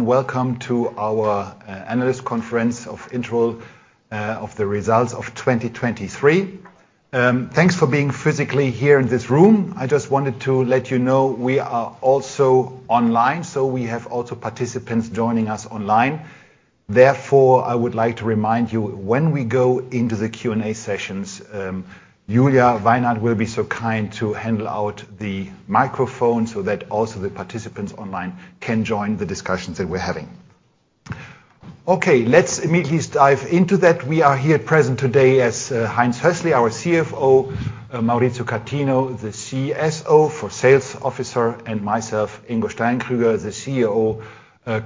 Welcome to our analyst conference of Interroll of the results of 2023. Thanks for being physically here in this room. I just wanted to let you know we are also online, so we have also participants joining us online. Therefore, I would like to remind you, when we go into the Q&A sessions, Julia Weinert will be so kind to hand out the microphone so that also the participants online can join the discussions that we're having. Okay, let's immediately dive into that. We are here present today as Heinz Hössli, our CFO, Maurizio Catino, the CSO for sales officer, and myself, Ingo Steinkrüger, the COO,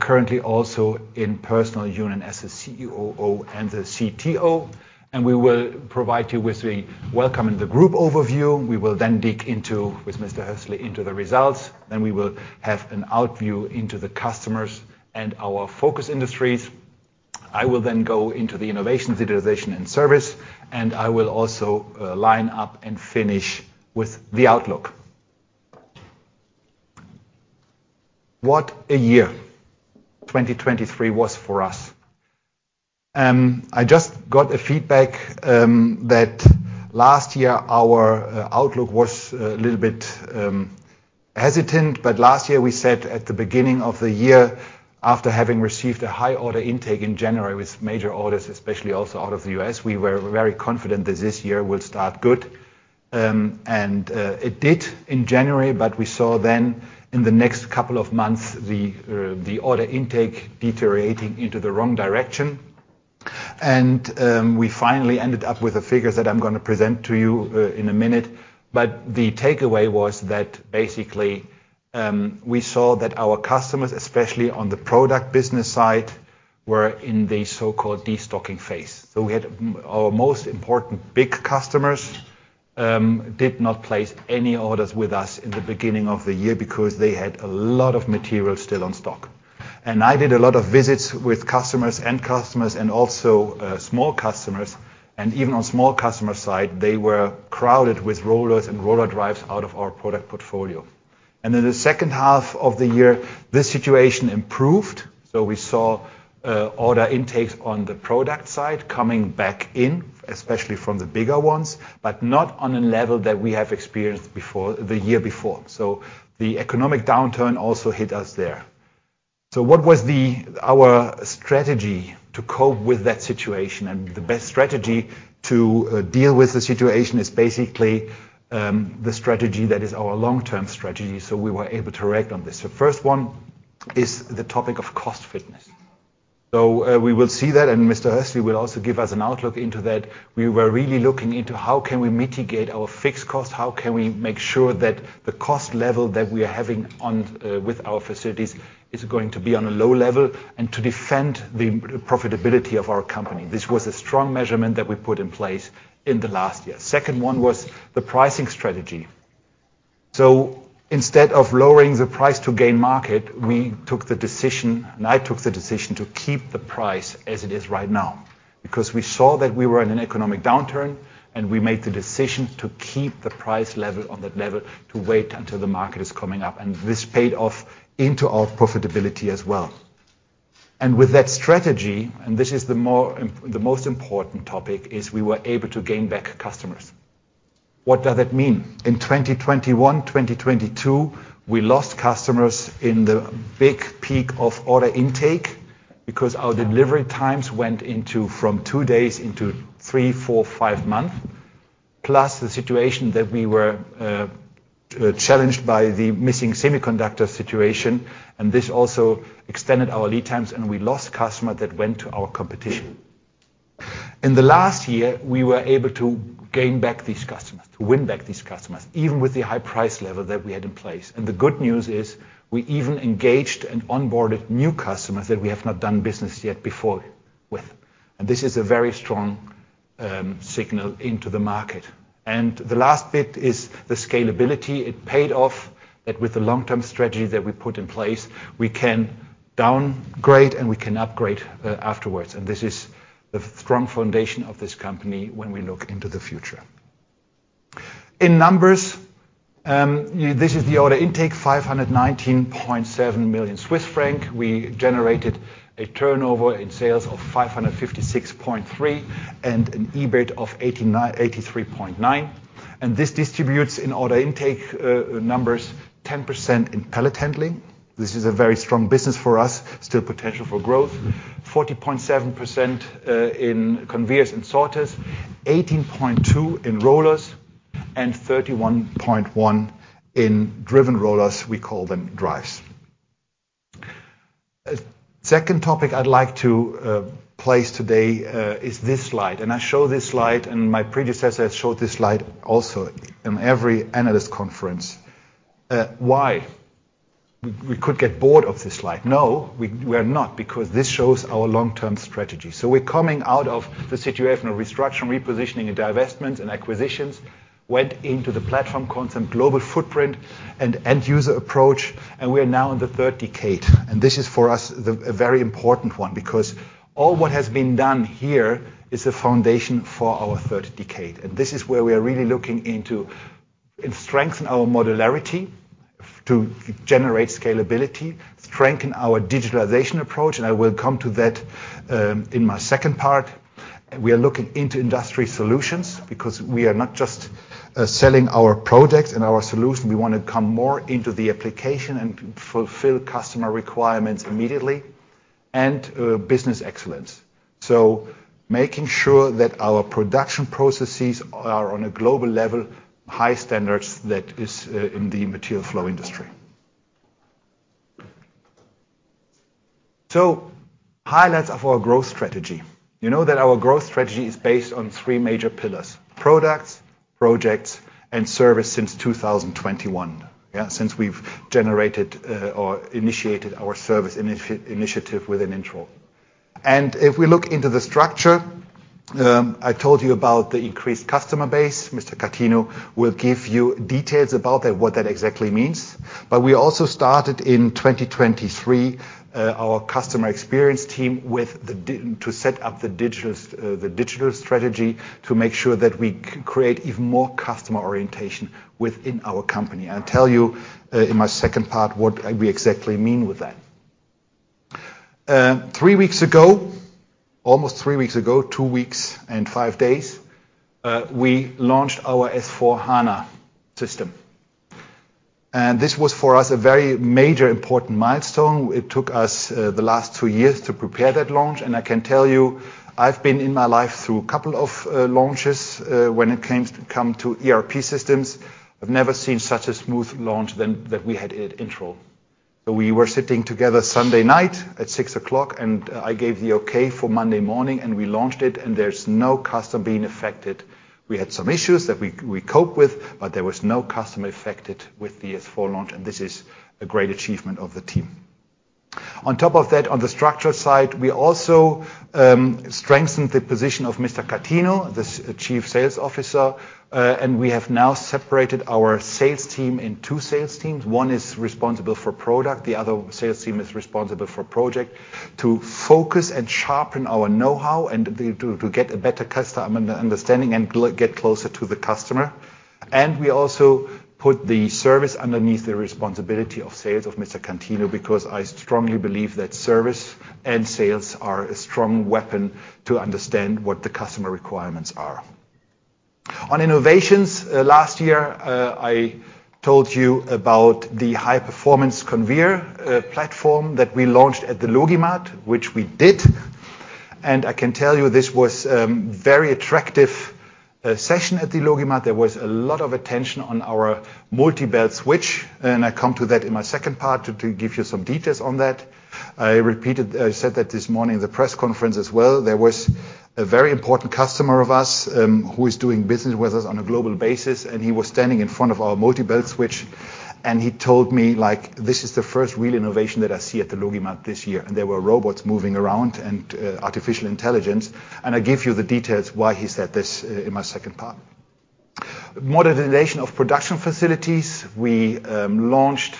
currently also in personal union as the COO and the CTO. We will provide you with a welcome and the group overview. We will then dig into, with Mr. Hössli, into the results. Then we will have an overview into the customers and our focus industries. I will then go into the innovation, digitalization, and service, and I will also wrap up and finish with the outlook. What a year 2023 was for us. I just got feedback that last year our outlook was a little bit hesitant. But last year we said at the beginning of the year, after having received a high order intake in January with major orders, especially also out of the U.S., we were very confident that this year will start good. And it did in January, but we saw then in the next couple of months the order intake deteriorating into the wrong direction. We finally ended up with the figures that I'm gonna present to you in a minute. But the takeaway was that basically, we saw that our customers, especially on the product business side, were in the so-called destocking phase. So we had our most important big customers did not place any orders with us in the beginning of the year because they had a lot of material still on stock. And I did a lot of visits with customers and customers and also small customers. And even on small customer side, they were crowded with rollers and RollerDrives out of our product portfolio. And in the second half of the year, this situation improved. So we saw order intakes on the product side coming back in, especially from the bigger ones, but not on a level that we have experienced before the year before. So the economic downturn also hit us there. So what was our strategy to cope with that situation? The best strategy to deal with the situation is basically the strategy that is our long-term strategy. So we were able to react on this. The first one is the topic of cost fitness. So we will see that, and Mr. Hössli will also give us an outlook into that. We were really looking into how can we mitigate our fixed cost? How can we make sure that the cost level that we are having on with our facilities is going to be on a low level and to defend the profitability of our company? This was a strong measurement that we put in place in the last year. Second one was the pricing strategy. So instead of lowering the price to gain market, we took the decision, and I took the decision to keep the price as it is right now because we saw that we were in an economic downturn, and we made the decision to keep the price level on that level to wait until the market is coming up. And this paid off into our profitability as well. And with that strategy, and this is the more, the most important topic, is we were able to gain back customers. What does that mean? In 2021, 2022, we lost customers in the big peak of order intake because our delivery times went from two days into three, four, five months, plus the situation that we were challenged by the missing semiconductor situation. And this also extended our lead times, and we lost customers that went to our competition. In the last year, we were able to gain back these customers, to win back these customers, even with the high price level that we had in place. The good news is we even engaged and onboarded new customers that we have not done business yet before with. This is a very strong signal into the market. The last bit is the scalability. It paid off that with the long-term strategy that we put in place, we can downgrade and we can upgrade afterwards. This is the strong foundation of this company when we look into the future. In numbers, this is the order intake, 519.7 million Swiss franc. We generated a turnover in sales of 556.3 million and an EBIT of 89.3 million. This distributes in order intake numbers, 10% in pallet handling. This is a very strong business for us, still potential for growth, 40.7% in conveyors and sorters, 18.2% in rollers, and 31.1% in driven rollers, we call them drives. Second topic I'd like to place today is this slide. And I show this slide, and my predecessor has showed this slide also in every analyst conference. Why? We, we could get bored of this slide. No, we, we are not because this shows our long-term strategy. So we're coming out of the situation of restructuring, repositioning, and divestments and acquisitions, went into the platform concept, global footprint, and end-user approach. And we are now in the third decade. And this is for us the, a very important one because all what has been done here is the foundation for our third decade. This is where we are really looking into and strengthen our modularity to generate scalability, strengthen our digitalization approach. I will come to that in my second part. We are looking into industry solutions because we are not just selling our products and our solution. We wanna come more into the application and fulfill customer requirements immediately and Business Excellence. So making sure that our production processes are on a global level, high standards that is in the material flow industry. Highlights of our growth strategy. You know that our growth strategy is based on three major pillars: products, projects, and service since 2021, yeah, since we've generated or initiated our service initiative within Interroll. If we look into the structure, I told you about the increased customer base. Mr. Catino will give you details about that, what that exactly means. But we also started in 2023 our customer experience team with the D.I. to set up the digital, the digital strategy to make sure that we create even more customer orientation within our company. I'll tell you, in my second part what we exactly mean with that. Three weeks ago, almost three weeks ago, two weeks and five days, we launched our S/4HANA system. And this was for us a very major, important milestone. It took us the last two years to prepare that launch. And I can tell you, I've been in my life through a couple of launches, when it came to ERP systems. I've never seen such a smooth launch than that we had in Interroll. So we were sitting together Sunday night at 6:00 P.M., and I gave the okay for Monday morning, and we launched it, and there's no customer being affected. We had some issues that we coped with, but there was no customer affected with the S/4 launch. And this is a great achievement of the team. On top of that, on the structural side, we also strengthened the position of Mr. Catino, the Chief Sales Officer. And we have now separated our sales team in two sales teams. One is responsible for product. The other sales team is responsible for project to focus and sharpen our know-how and to get a better customer understanding and get closer to the customer. And we also put the service underneath the responsibility of sales of Mr. Catino because I strongly believe that service and sales are a strong weapon to understand what the customer requirements are. On innovations, last year, I told you about the High Performance Conveyor Platform that we launched at the LogiMAT, which we did. And I can tell you this was very attractive session at the LogiMAT. There was a lot of attention on our MultiBelt Switch, and I'll come to that in my second part to give you some details on that. I repeated. I said that this morning in the press conference as well. There was a very important customer of us, who is doing business with us on a global basis, and he was standing in front of our MultiBelt Switch. And he told me, like, "This is the first real innovation that I see at the LogiMAT this year." And there were robots moving around and artificial intelligence. And I'll give you the details why he said this, in my second part. Modernization of production facilities. We launched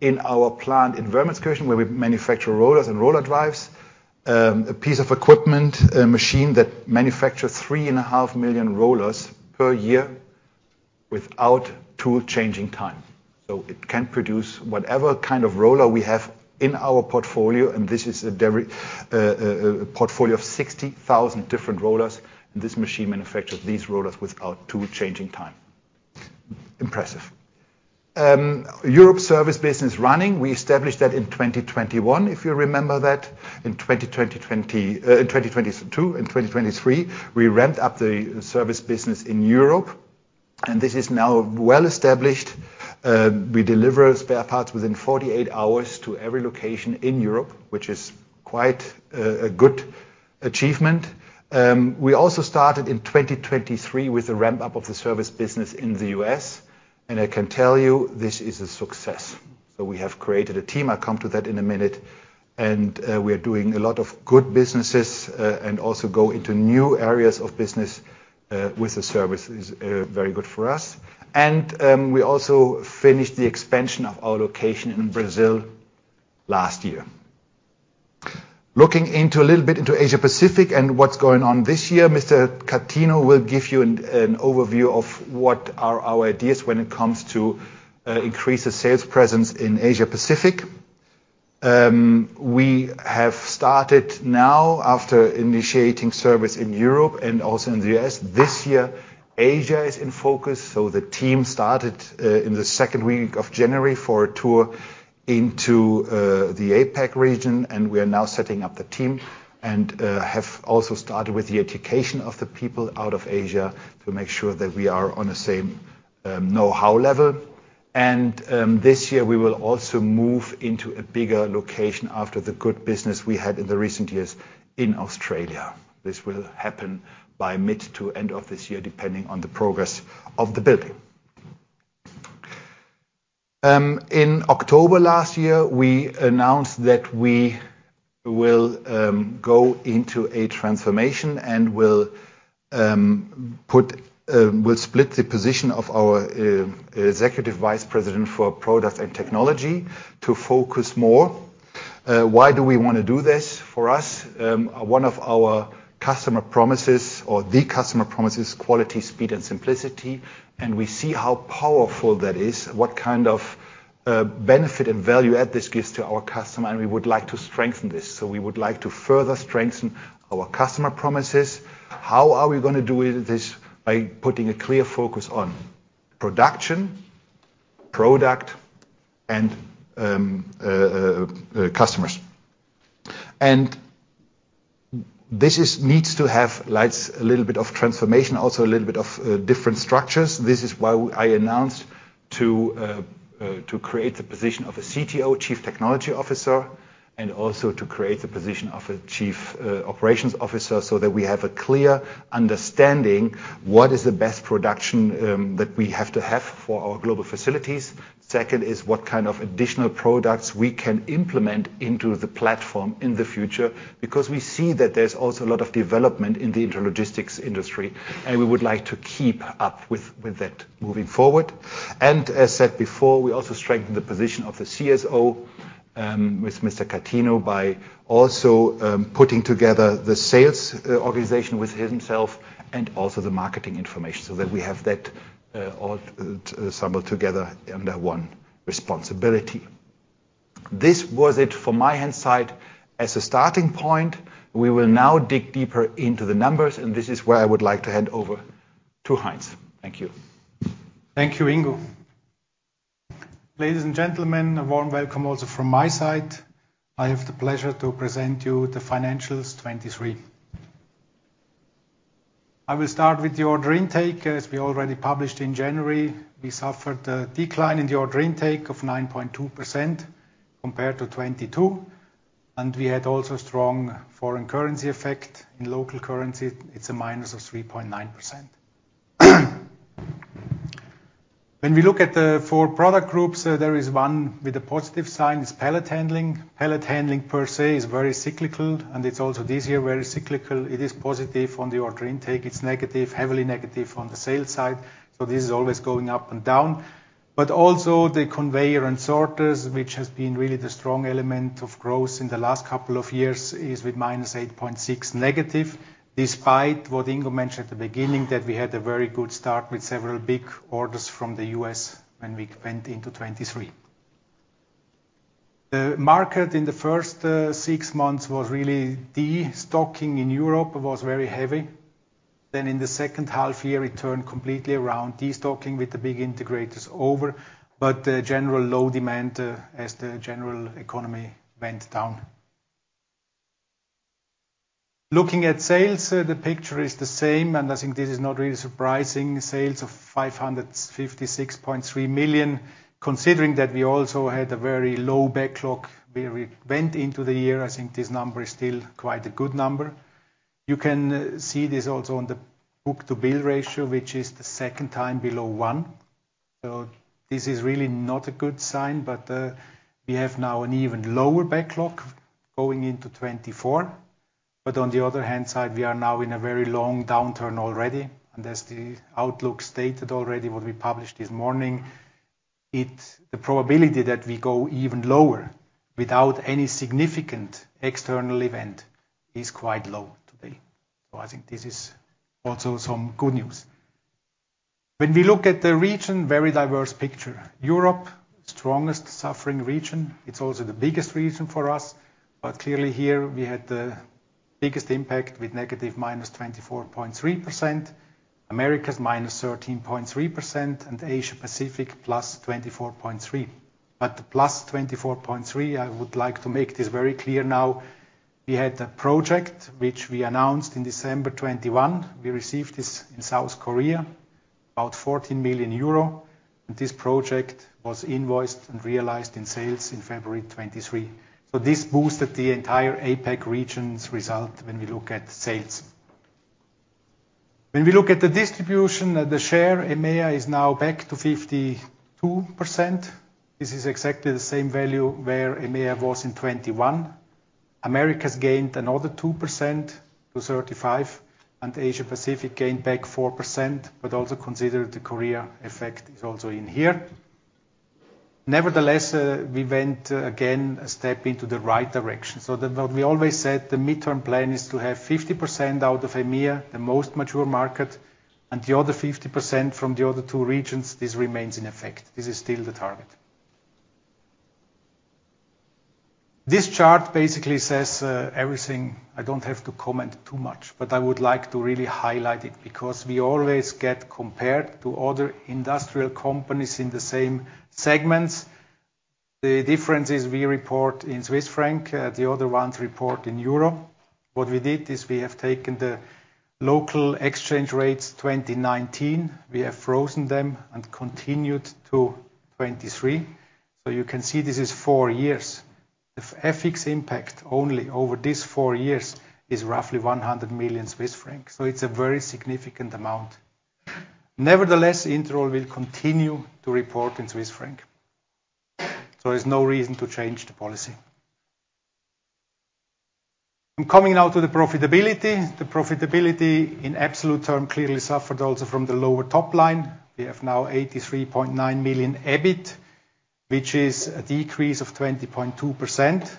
in our plant in Wermelskirchen where we manufacture rollers and roller drives, a piece of equipment, a machine that manufactures 3.5 million rollers per year without tool-changing time. So it can produce whatever kind of roller we have in our portfolio. And this is a diverse portfolio of 60,000 different rollers. And this machine manufactures these rollers without tool-changing time. Impressive. Europe service business running. We established that in 2021, if you remember that. In 2022, in 2023, we ramped up the service business in Europe. And this is now well established. We deliver spare parts within 48 hours to every location in Europe, which is quite a good achievement. We also started in 2023 with a ramp-up of the service business in the U.S. And I can tell you, this is a success. So we have created a team. I'll come to that in a minute. And we are doing a lot of good businesses, and also go into new areas of business with the service. It's very good for us. And we also finished the expansion of our location in Brazil last year. Looking into a little bit into Asia-Pacific and what's going on this year, Mr. Catino will give you an overview of what are our ideas when it comes to increase the sales presence in Asia-Pacific. We have started now after initiating service in Europe and also in the U.S. This year, Asia is in focus. So the team started in the second week of January for a tour into the APAC region. And we are now setting up the team and have also started with the education of the people out of Asia to make sure that we are on the same know-how level. This year, we will also move into a bigger location after the good business we had in the recent years in Australia. This will happen by mid to end of this year, depending on the progress of the building. In October last year, we announced that we will go into a transformation and will split the position of our Executive Vice President for Product and Technology to focus more. Why do we wanna do this for us? One of our customer promises or the customer promise is quality, speed, and simplicity. And we see how powerful that is, what kind of benefit and value add this gives to our customer. And we would like to strengthen this. So we would like to further strengthen our customer promises. How are we gonna do this? By putting a clear focus on production, product, and customers. This needs to have like a little bit of transformation, also a little bit of different structures. This is why I announced to create the position of a Chief Technology Officer, and also to create the position of a Chief Operations Officer so that we have a clear understanding what is the best production that we have to have for our global facilities. Second is what kind of additional products we can implement into the platform in the future because we see that there's also a lot of development in the intralogistics industry. And we would like to keep up with that moving forward. And as said before, we also strengthen the position of the Chief Sales Officer with Mr. Catino by also putting together the sales organization with himself and also the marketing information so that we have that all summed together under one responsibility. This was it from my side. As a starting point, we will now dig deeper into the numbers. This is where I would like to hand over to Heinz. Thank you. Thank you, Ingo. Ladies and gentlemen, a warm welcome also from my side. I have the pleasure to present you the financials 2023. I will start with the order intake. As we already published in January, we suffered a decline in the order intake of 9.2% compared to 2022. We had also a strong foreign currency effect. In local currency, it's a -3.9%. When we look at the four product groups, there is one with a positive sign. It's pallet handling. Pallet handling per se is very cyclical. It's also this year very cyclical. It is positive on the order intake. It's negative, heavily negative on the sales side. This is always going up and down. But also the conveyor and sorters, which has been really the strong element of growth in the last couple of years, is with -8.6 despite what Ingo mentioned at the beginning, that we had a very good start with several big orders from the U.S. when we went into 2023. The market in the first six months was really destocking in Europe. It was very heavy. Then in the second half year, it turned completely around, destocking with the big integrators over, but the general low demand, as the general economy went down. Looking at sales, the picture is the same. And I think this is not really surprising, sales of 556.3 million. Considering that we also had a very low backlog where we went into the year, I think this number is still quite a good number. You can see this also on the book-to-bill ratio, which is the second time below one. So this is really not a good sign, but we have now an even lower backlog going into 2024. But on the other hand side, we are now in a very long downturn already. And as the outlook stated already what we published this morning, it's the probability that we go even lower without any significant external event is quite low today. So I think this is also some good news. When we look at the region, very diverse picture. Europe, strongest suffering region. It's also the biggest region for us. But clearly here, we had the biggest impact with negative -24.3%, Americas -13.3%, and Asia-Pacific +24.3%. But the+24.3%, I would like to make this very clear now. We had a project which we announced in December 2021. We received this in South Korea, about 14 million euro. This project was invoiced and realized in sales in February 2023. This boosted the entire APAC region's result when we look at sales. When we look at the distribution, the share EMEA is now back to 52%. This is exactly the same value where EMEA was in 2021. America's gained another 2%-35%. Asia-Pacific gained back 4%, but also consider the Korea effect is also in here. Nevertheless, we went again a step into the right direction. What we always said, the midterm plan is to have 50% out of EMEA, the most mature market, and the other 50% from the other two regions, this remains in effect. This is still the target. This chart basically says, everything. I don't have to comment too much, but I would like to really highlight it because we always get compared to other industrial companies in the same segments. The differences we report in Swiss franc, the other ones report in euro. What we did is we have taken the local exchange rates 2019. We have frozen them and continued to 2023. So you can see this is four years. The FX impact only over these four years is roughly 100 million Swiss francs. So it's a very significant amount. Nevertheless, Interroll will continue to report in Swiss franc. So there's no reason to change the policy. I'm coming now to the profitability. The profitability in absolute term clearly suffered also from the lower top line. We have now 83.9 million EBIT, which is a decrease of 20.2%.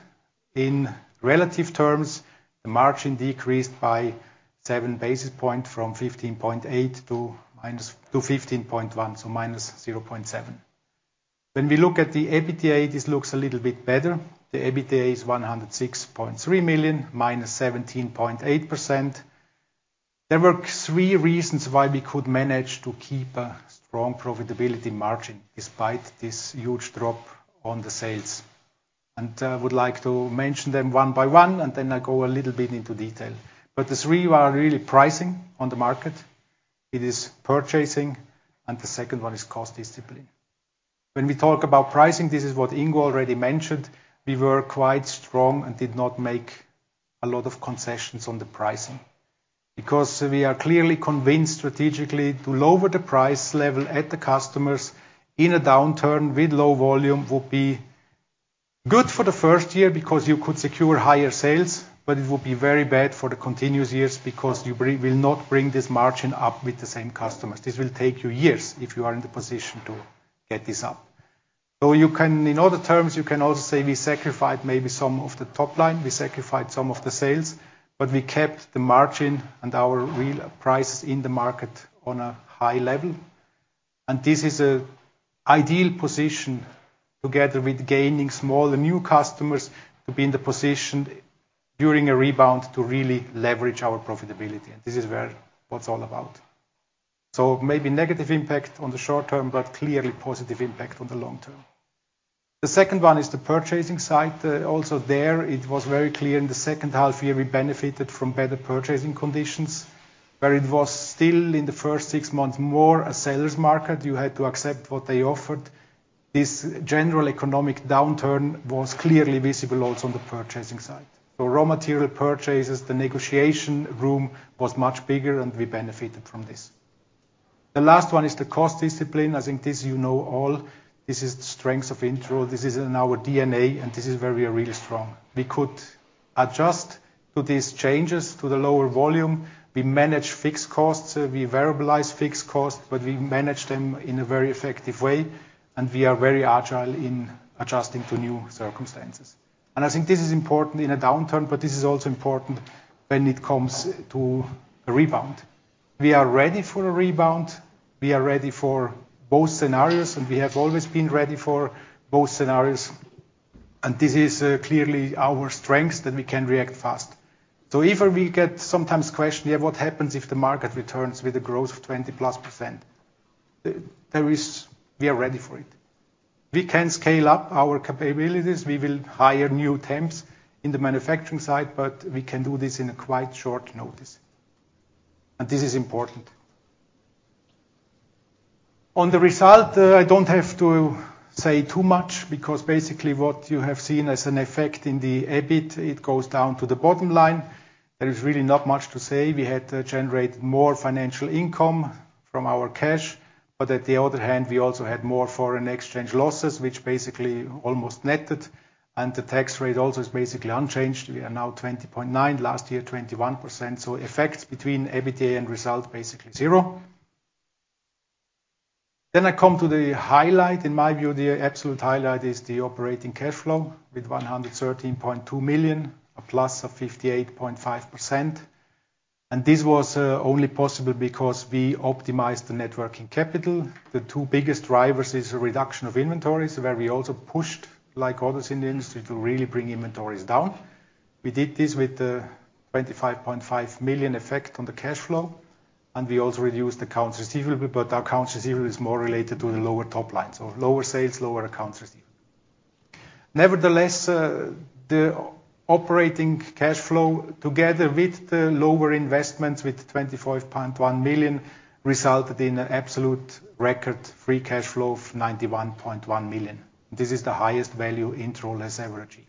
In relative terms, the margin decreased by seven basis points from 15.8%-15.1%, so -0.7%. When we look at the EBITDA, this looks a little bit better. The EBITDA is 106.3 million, -17.8%. There were three reasons why we could manage to keep a strong profitability margin despite this huge drop on the sales. I would like to mention them one by one, and then I'll go a little bit into detail. The three are really pricing on the market. It is purchasing. And the second one is cost discipline. When we talk about pricing, this is what Ingo already mentioned. We were quite strong and did not make a lot of concessions on the pricing because we are clearly convinced strategically to lower the price level at the customers in a downturn with low volume would be good for the first year because you could secure higher sales, but it would be very bad for the continuous years because you will not bring this margin up with the same customers. This will take you years if you are in the position to get this up. So you can in other terms, you can also say we sacrificed maybe some of the top line. We sacrificed some of the sales, but we kept the margin and our real prices in the market on a high level. And this is an ideal position together with gaining smaller new customers to be in the position during a rebound to really leverage our profitability. This is where it's all about. Maybe negative impact on the short term, but clearly positive impact on the long term. The second one is the purchasing side. Also there, it was very clear in the second half year, we benefited from better purchasing conditions where it was still in the first six months more a seller's market. You had to accept what they offered. This general economic downturn was clearly visible also on the purchasing side. So raw material purchases, the negotiation room was much bigger, and we benefited from this. The last one is the cost discipline. I think this, you know all, this is the strengths of Interroll. This is in our DNA, and this is very really strong. We could adjust to these changes to the lower volume. We manage fixed costs. We verbalize fixed costs, but we manage them in a very effective way. We are very agile in adjusting to new circumstances. I think this is important in a downturn, but this is also important when it comes to a rebound. We are ready for a rebound. We are ready for both scenarios, and we have always been ready for both scenarios. This is clearly our strength that we can react fast. So if we get sometimes questioned, "Yeah, what happens if the market returns with a growth of 20%+?" There, we are ready for it. We can scale up our capabilities. We will hire new temps in the manufacturing side, but we can do this in a quite short notice. This is important. On the result, I don't have to say too much because basically what you have seen as an effect in the EBIT, it goes down to the bottom line. There is really not much to say. We had generated more financial income from our cash. But on the other hand, we also had more foreign exchange losses, which basically almost netted. And the tax rate also is basically unchanged. We are now 20.9%, last year 21%. So effects between EBITDA and result basically zero. Then I come to the highlight. In my view, the absolute highlight is the operating cash flow with 113.2 million, a plus of 58.5%. And this was only possible because we optimized the net working capital. The two biggest drivers is a reduction of inventories where we also pushed like others in the industry to really bring inventories down. We did this with the 25.5 million effect on the cash flow. We also reduced accounts receivable, but our accounts receivable is more related to the lower top line. So lower sales, lower accounts receivable. Nevertheless, the operating cash flow together with the lower investments with 25.1 million resulted in an absolute record free cash flow of 91.1 million. This is the highest value Interroll has ever achieved.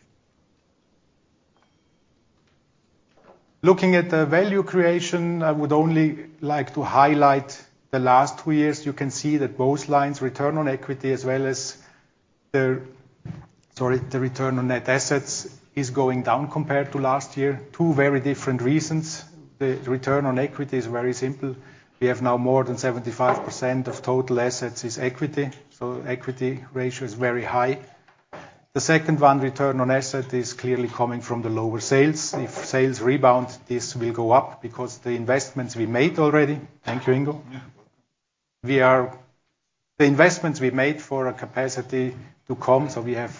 Looking at the value creation, I would only like to highlight the last two years. You can see that both lines, return on equity as well as the sorry, the return on net assets is going down compared to last year. Two very different reasons. The return on equity is very simple. We have now more than 75% of total assets is equity. So equity ratio is very high. The second one, return on asset is clearly coming from the lower sales. If sales rebound, this will go up because the investments we made already thank you, Ingo. Yeah, welcome. We are the investments we made for a capacity to come. So we have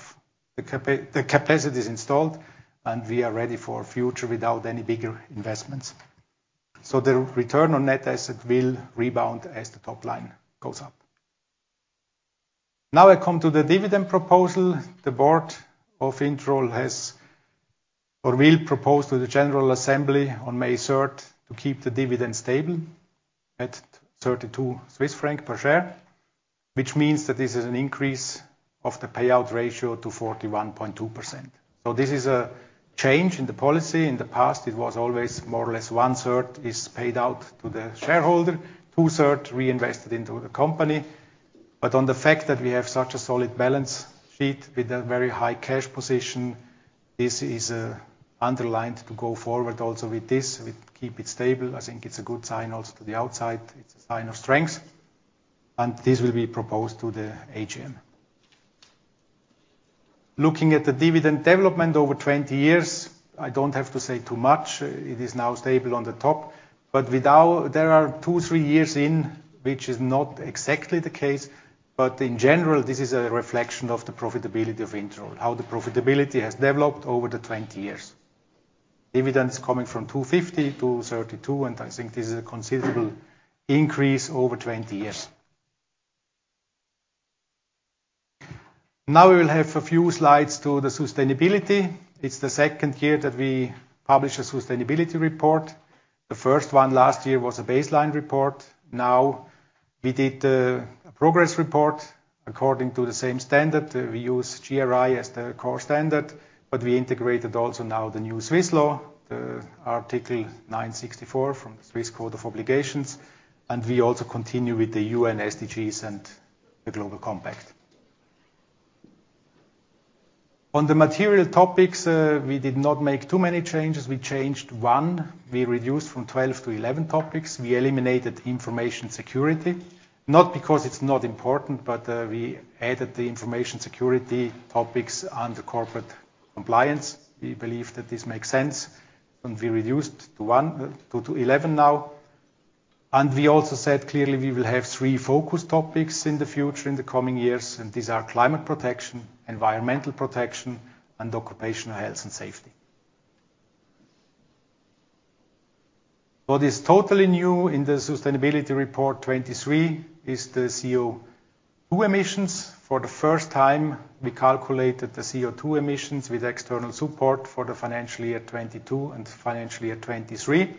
the capacity is installed, and we are ready for future without any bigger investments. So the return on net asset will rebound as the top line goes up. Now I come to the dividend proposal. The Board of Interroll has or will propose to the general assembly on May 3rd to keep the dividend stable at 32 Swiss franc per share, which means that this is an increase of the payout ratio to 41.2%. So this is a change in the policy. In the past, it was always more or less one third is paid out to the shareholder, two thirds reinvested into the company. On the fact that we have such a solid balance sheet with a very high cash position, this is underlined to go forward also with this. We keep it stable. I think it's a good sign also to the outside. It's a sign of strength. And this will be proposed to the AGM. Looking at the dividend development over 20 years, I don't have to say too much. It is now stable on the top. But without there are 2-3 years in, which is not exactly the case. But in general, this is a reflection of the profitability of Interroll, how the profitability has developed over the 20 years. Dividend is coming from 2.50 to 3.20. And I think this is a considerable increase over 20 years. Now we will have a few slides to the sustainability. It's the second year that we publish a sustainability report. The first one last year was a baseline report. Now we did a progress report according to the same standard. We use GRI as the core standard, but we integrated also now the new Swiss law, the article 964 from the Swiss Code of Obligations. And we also continue with the UN SDGs and the Global Compact. On the material topics, we did not make too many changes. We changed one. We reduced from 12-11 topics. We eliminated information security, not because it's not important, but we added the information security topics under corporate compliance. We believe that this makes sense. And we reduced to one to 11 now. And we also said clearly we will have three focus topics in the future in the coming years. And these are climate protection, environmental protection, and occupational health and safety. What is totally new in the sustainability report 2023 is the CO2 emissions. For the first time, we calculated the CO2 emissions with external support for the financial year 2022 and financial year 2023.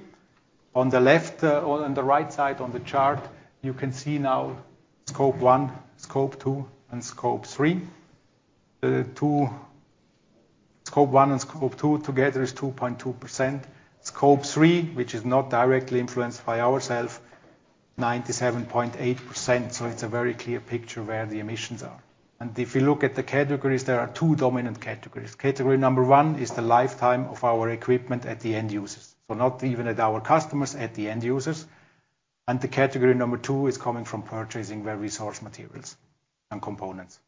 On the left on the right side on the chart, you can see now Scope 1, Scope 2, and Scope 3. The two Scope 1 and Scope 2 together is 2.2%. Scope 3, which is not directly influenced by ourselves, 97.8%. So it's a very clear picture where the emissions are. And if you look at the categories, there are two dominant categories. Category number one is the lifetime of our equipment at the end users, so not even at our customers, at the end users. And the category number two is coming from purchasing where resource materials and components.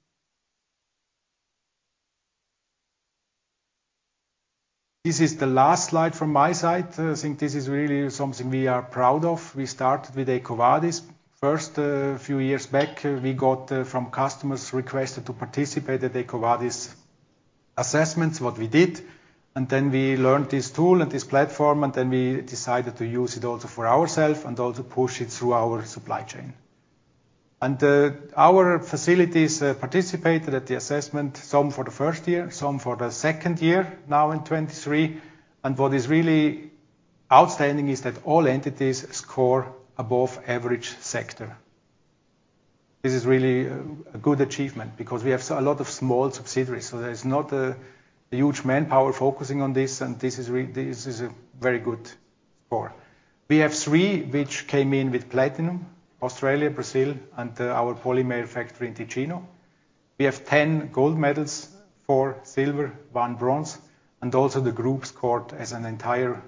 This is the last slide from my side. I think this is really something we are proud of. We started with EcoVadis. First few years back, we got from customers requested to participate at EcoVadis assessments, what we did. Then we learned this tool and this platform, and then we decided to use it also for ourselves and also push it through our supply chain. Our facilities participated at the assessment, some for the first year, some for the second year now in 2023. What is really outstanding is that all entities score above average sector. This is really a good achievement because we have a lot of small subsidiaries. So there is not a huge manpower focusing on this. And this is a very good score. We have three, which came in with platinum, Australia, Brazil, and our polymer factory in Ticino. We have 10 gold medals, four silver, one bronze. Also the group scored as an entire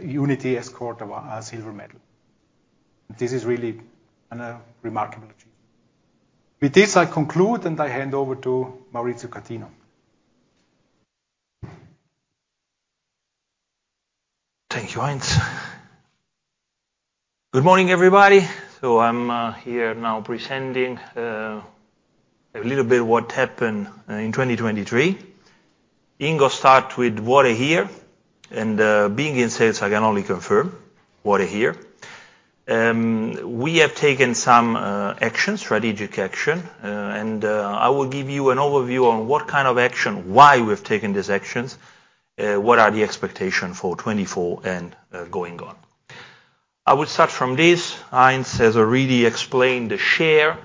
unity scored a silver medal. This is really a remarkable achievement. With this, I conclude and I hand over to Maurizio Catino. Thank you, Heinz. Good morning, everybody. I'm here now presenting a little bit what happened in 2023. Ingo started with what a year. Being in sales, I can only confirm what a year. We have taken some actions, strategic action. I will give you an overview on what kind of action, why we have taken these actions, what are the expectations for 2024 and going on. I will start from this. Heinz has already explained the share.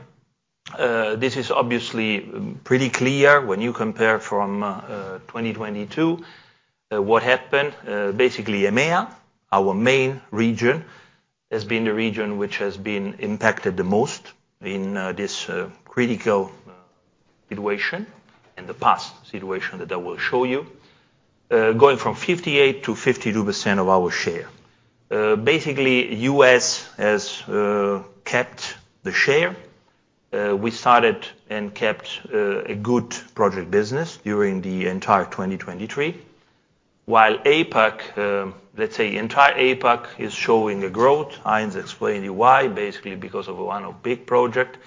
This is obviously pretty clear when you compare from 2022 what happened. Basically, EMEA, our main region, has been the region which has been impacted the most in this critical situation and the past situation that I will show you, going from 58%-52% of our share. Basically, U.S. has kept the share. We started and kept a good project business during the entire 2023. While APAC, let's say, entire APAC is showing a growth. Heinz explained why, basically because of one of big projects.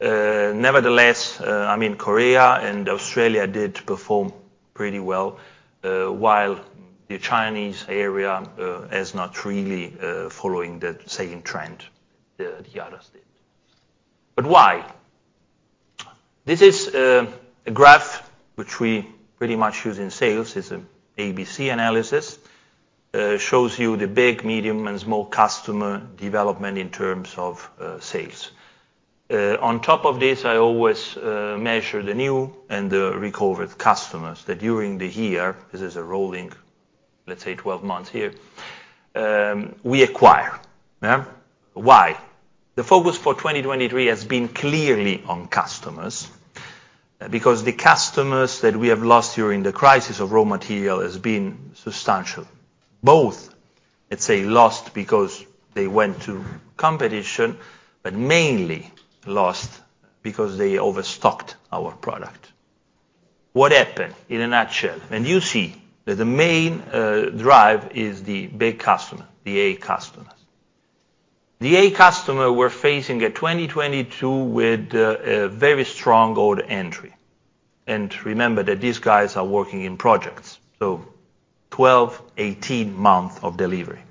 Nevertheless, I mean, Korea and Australia did perform pretty well while the Chinese area is not really following the same trend that the others did. But why? This is a graph which we pretty much use in sales. It's an ABC analysis. It shows you the big, medium, and small customer development in terms of sales. On top of this, I always measure the new and the recovered customers that during the year this is a rolling, let's say, 12 months here we acquire. Yeah? Why? The focus for 2023 has been clearly on customers because the customers that we have lost during the crisis of raw material has been substantial, both, let's say, lost because they went to competition, but mainly lost because they overstocked our product. What happened in a nutshell? And you see that the main drive is the big customer, the A customers. The A customer were facing a 2022 with a very strong order entry. And remember that these guys are working in projects, so 12-18 months of delivery.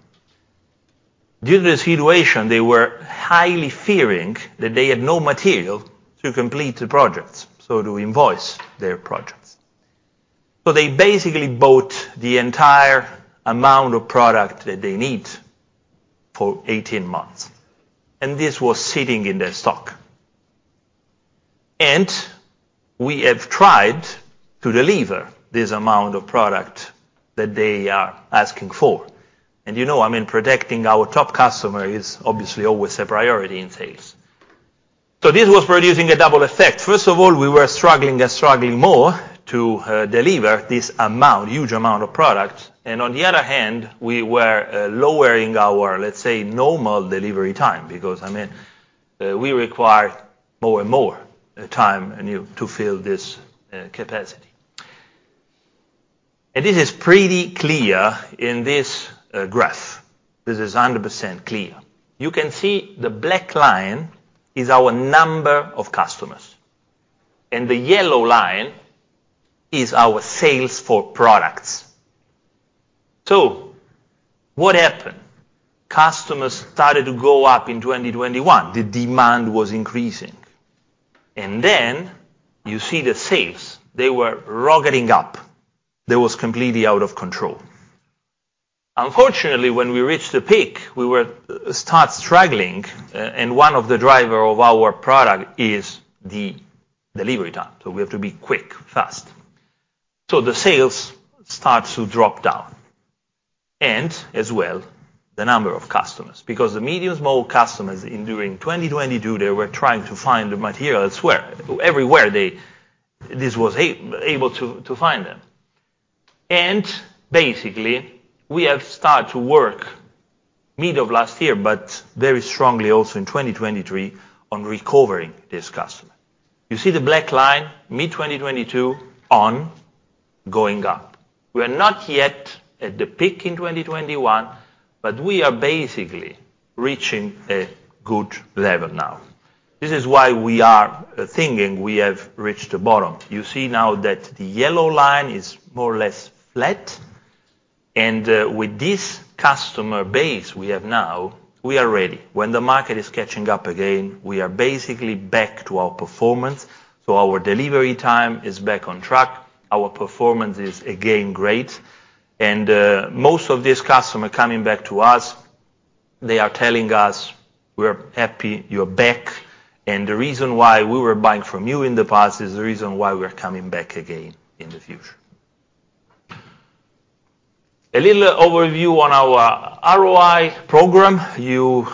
Due to this situation, they were highly fearing that they had no material to complete the projects, so to invoice their projects. So they basically bought the entire amount of product that they need for 18 months. And this was sitting in their stock. And we have tried to deliver this amount of product that they are asking for. And you know, I mean, protecting our top customer is obviously always a priority in sales. So this was producing a double effect. First of all, we were struggling and struggling more to deliver this amount, huge amount of product. And on the other hand, we were lowering our, let's say, normal delivery time because, I mean, we require more and more time to fill this capacity. And this is pretty clear in this graph. This is 100% clear. You can see the black line is our number of customers. And the yellow line is our sales for products. So what happened? Customers started to go up in 2021. The demand was increasing. And then you see the sales; they were rocketing up. That was completely out of control. Unfortunately, when we reached the peak, we were started struggling. And one of the drivers of our product is the delivery time. So we have to be quick, fast. So the sales start to drop down. And as well, the number of customers because the medium small customers, during 2022, they were trying to find the material elsewhere. Everywhere they this was able to find them. And basically, we have started to work mid of last year, but very strongly also in 2023 on recovering this customer. You see the black line, mid 2022, going up. We are not yet at the peak in 2021, but we are basically reaching a good level now. This is why we are thinking we have reached the bottom. You see now that the yellow line is more or less flat. With this customer base we have now, we are ready. When the market is catching up again, we are basically back to our performance. Our delivery time is back on track. Our performance is again great. Most of these customers coming back to us, they are telling us, "We are happy you are back. And the reason why we were buying from you in the past is the reason why we are coming back again in the future." A little overview on our ROI program. You,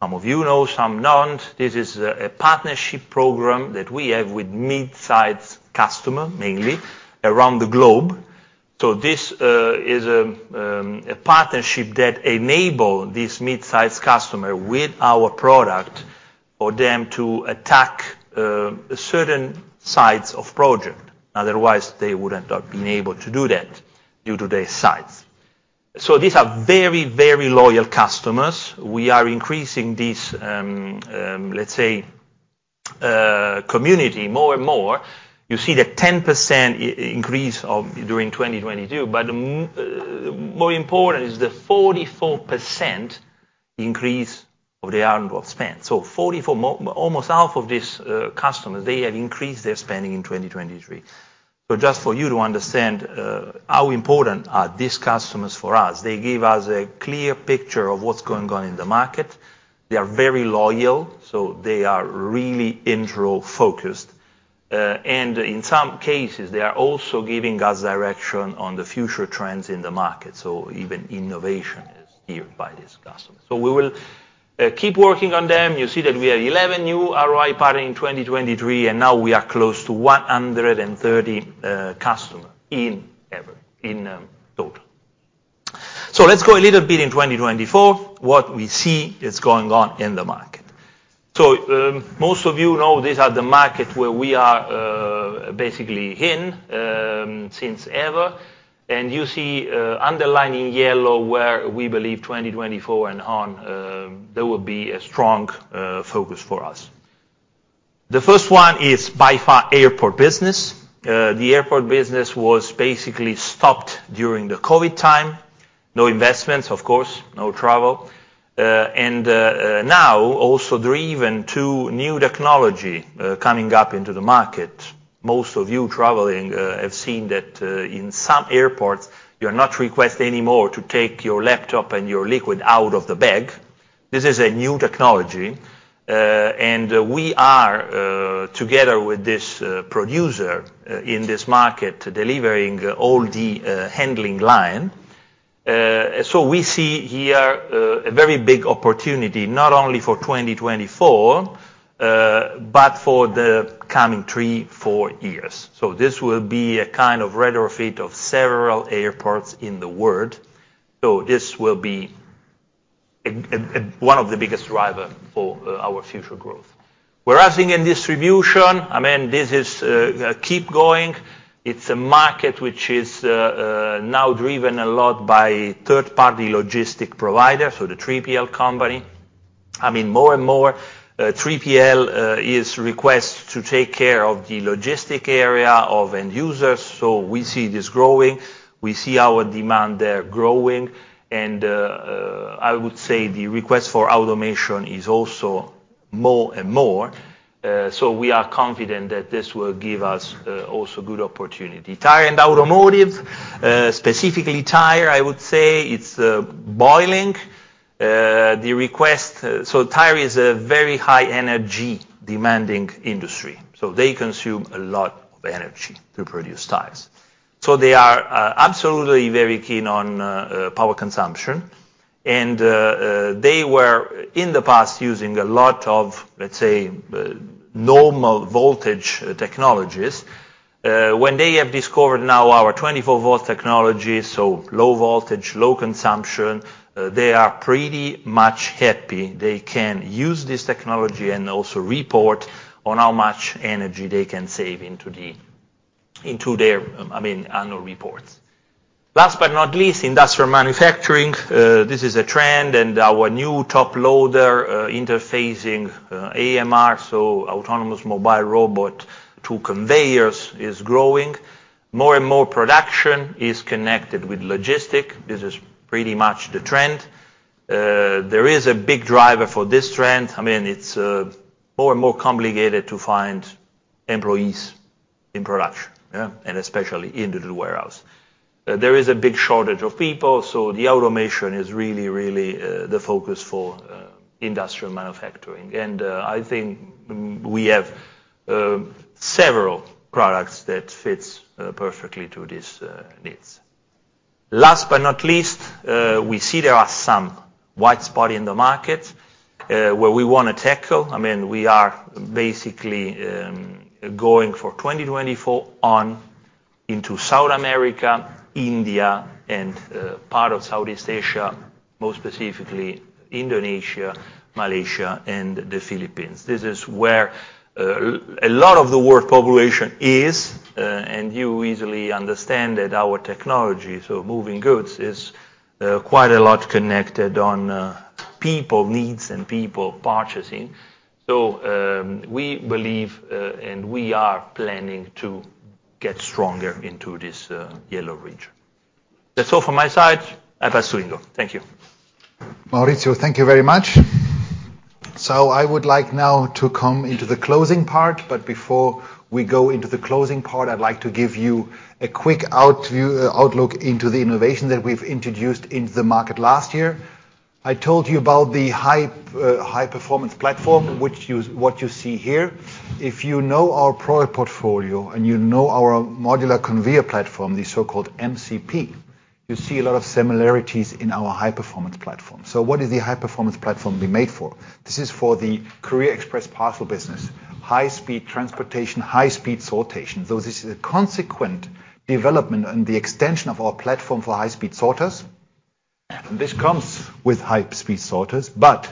some of you know, some don't. This is a partnership program that we have with mid-size customer, mainly, around the globe. This is a partnership that enables this mid-size customer with our product for them to attack certain sites of project. Otherwise, they would not be able to do that due to their sites. So these are very, very loyal customers. We are increasing this, let's say, community more and more. You see the 10% increase during 2022. But more important is the 44% increase of the annual spend. So 44 almost half of these customers, they have increased their spending in 2023. So just for you to understand how important are these customers for us. They give us a clear picture of what's going on in the market. They are very loyal. So they are really intro focused. And in some cases, they are also giving us direction on the future trends in the market. So even innovation is here by these customers. So we will keep working on them. You see that we have 11 new ROI partners in 2023. And now we are close to 130 customers in total. So let's go a little bit in 2024, what we see is going on in the market. So most of you know these are the markets where we are basically in since ever. And you see, underlined in yellow, where we believe 2024 and on, there will be a strong focus for us. The first one is by far airport business. The airport business was basically stopped during the COVID time. No investments, of course, no travel. And now also driven by new technology coming up into the market. Most of you traveling have seen that in some airports, you are not requested anymore to take your laptop and your liquid out of the bag. This is a new technology. And we are together with this producer in this market delivering all the handling line. So we see here a very big opportunity not only for 2024, but for the coming three, four years. So this will be a kind of retrofit of several airports in the world. So this will be one of the biggest drivers for our future growth. Whereas in distribution, I mean, this keeps going. It's a market which is now driven a lot by third-party logistics provider, so the 3PL company. I mean, more and more, 3PL is requested to take care of the logistics area of end users. So we see this growing. We see our demand there growing. And I would say the request for automation is also more and more. So we are confident that this will give us also good opportunity. Tire and automotive, specifically tire, I would say, it's boiling. The request, so tire is a very high energy demanding industry. So they consume a lot of energy to produce tires. So they are absolutely very keen on power consumption. And they were in the past using a lot of, let's say, normal voltage technologies. When they have discovered now our 24-volt technology, so low voltage, low consumption, they are pretty much happy. They can use this technology and also report on how much energy they can save into their, I mean, annual reports. Last but not least, industrial manufacturing. This is a trend. And our new Top Loader interfacing AMR, so autonomous mobile robot to conveyors, is growing. More and more production is connected with logistics. This is pretty much the trend. There is a big driver for this trend. I mean, it's more and more complicated to find employees in production, yeah, and especially into the warehouse. There is a big shortage of people. So the automation is really, really the focus for industrial manufacturing. And I think we have several products that fit perfectly to these needs. Last but not least, we see there are some white spots in the market where we want to tackle. I mean, we are basically going for 2024 on into South America, India, and part of Southeast Asia, most specifically Indonesia, Malaysia, and the Philippines. This is where a lot of the world population is. And you easily understand that our technology, so moving goods, is quite a lot connected on people needs and people purchasing. So we believe and we are planning to get stronger into this yellow region. That's all from my side. APAC, Steinkrüger. Thank you. Maurizio, thank you very much. So I would like now to come into the closing part. But before we go into the closing part, I'd like to give you a quick outlook into the innovation that we've introduced into the market last year. I told you about the high-performance platform, which, what you see here. If you know our product portfolio and you know our modular conveyor platform, the so-called MCP, you see a lot of similarities in our high-performance platform. So what is the high-performance platform being made for? This is for the courier express parcel business, high-speed transportation, high-speed sortation. So this is a consequent development and the extension of our platform for high-speed sorters. This comes with high-speed sorters. But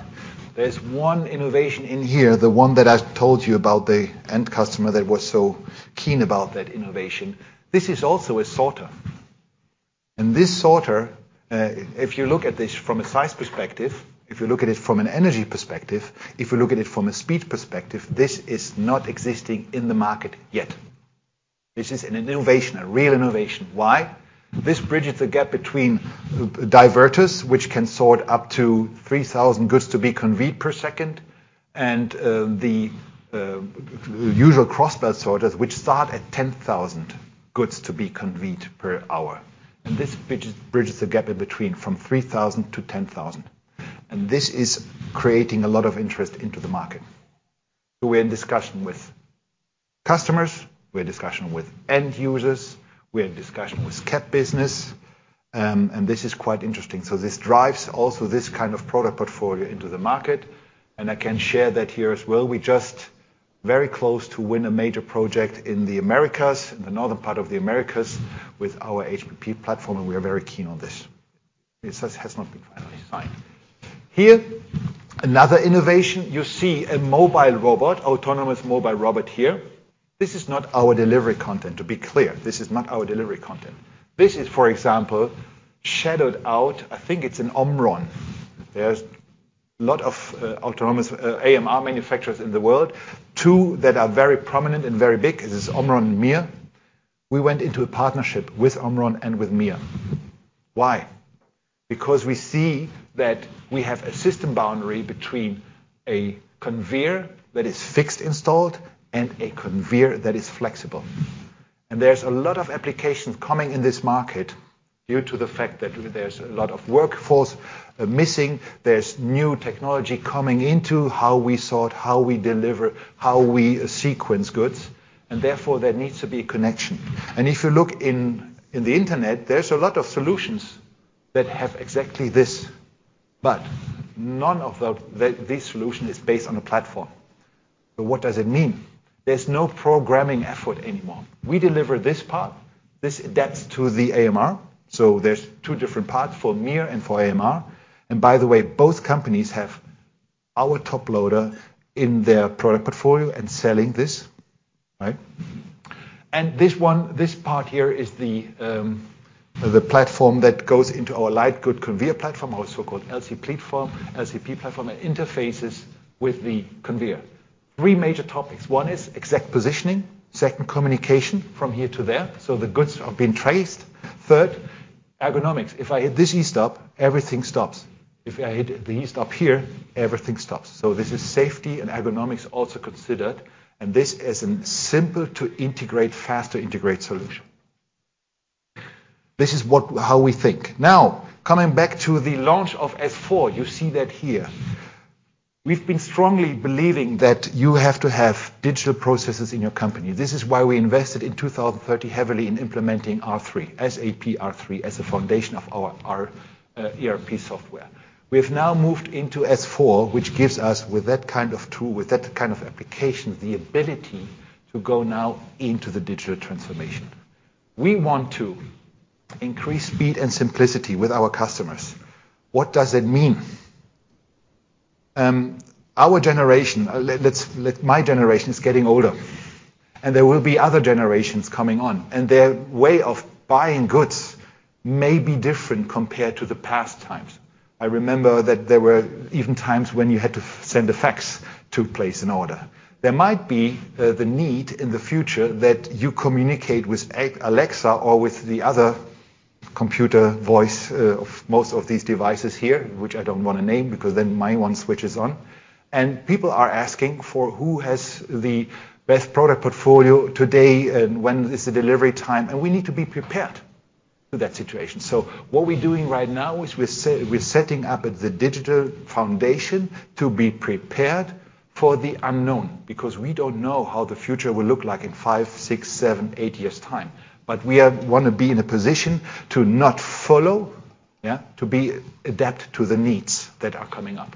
there's one innovation in here, the one that I told you about, the end customer that was so keen about that innovation. This is also a sorter. This sorter, if you look at this from a size perspective, if you look at it from an energy perspective, if you look at it from a speed perspective, this is not existing in the market yet. This is an innovation, a real innovation. Why? This bridges the gap between diverters, which can sort up to 3,000 goods to be conveyed per second, and the usual cross-belt sorters, which start at 10,000 goods to be conveyed per hour. This bridges the gap in between from 3,000-10,000. This is creating a lot of interest into the market. We're in discussion with customers. We're in discussion with end users. We're in discussion with CEP business. This is quite interesting. This drives also this kind of product portfolio into the market. I can share that here as well. We're just very close to win a major project in the Americas, in the northern part of the Americas with our HPP platform. We are very keen on this. This has not been finally signed. Here, another innovation. You see a mobile robot, autonomous mobile robot here. This is not our delivery content, to be clear. This is not our delivery content. This is, for example, shadowed out. I think it's an Omron. There's a lot of autonomous AMR manufacturers in the world. Two that are very prominent and very big. This is Omron and MiR. We went into a partnership with Omron and with MiR. Why? Because we see that we have a system boundary between a conveyor that is fixed installed and a conveyor that is flexible. There's a lot of applications coming in this market due to the fact that there's a lot of workforce missing. There's new technology coming into how we sort, how we deliver, how we sequence goods. And therefore, there needs to be a connection. And if you look in the internet, there's a lot of solutions that have exactly this. But none of these solutions is based on a platform. So what does it mean? There's no programming effort anymore. We deliver this part. This adapts to the AMR. So there's two different parts for MiR and for AMR. And by the way, both companies have our Top Loader in their product portfolio and selling this, right? And this part here is the platform that goes into our light goods conveyor platform, also called LC platform, LCP platform, and interfaces with the conveyor. Three major topics. One is exact positioning. Second, communication from here to there. The goods are being traced. Third, ergonomics. If I hit this E-stop, everything stops. If I hit the E-stop here, everything stops. This is safety and ergonomics also considered. This is a simple to integrate, faster integrate solution. This is what how we think. Now, coming back to the launch of S/4, you see that here. We've been strongly believing that you have to have digital processes in your company. This is why we invested in 2030 heavily in implementing R/3, SAP R/3, as a foundation of our ERP software. We have now moved into S/4, which gives us with that kind of tool, with that kind of application, the ability to go now into the digital transformation. We want to increase speed and simplicity with our customers. What does that mean? Our generation less my generation is getting older. There will be other generations coming on. Their way of buying goods may be different compared to the past times. I remember that there were even times when you had to send a fax to place an order. There might be the need in the future that you communicate with Alexa or with the other computer voice of most of these devices here, which I don't want to name because then my one switches on. People are asking for who has the best product portfolio today and when is the delivery time. We need to be prepared to that situation. So what we're doing right now is we're setting up a digital foundation to be prepared for the unknown because we don't know how the future will look like in five, six, seven, eight years' time. But we want to be in a position to not follow, yeah, to adapt to the needs that are coming up.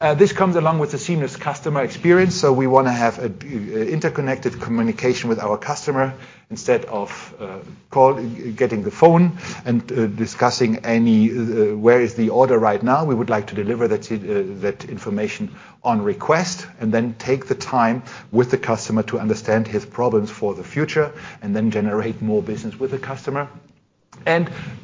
This comes along with a seamless customer experience. So we want to have interconnected communication with our customer instead of getting the phone and discussing anywhere the order is right now. We would like to deliver that information on request and then take the time with the customer to understand his problems for the future and then generate more business with the customer.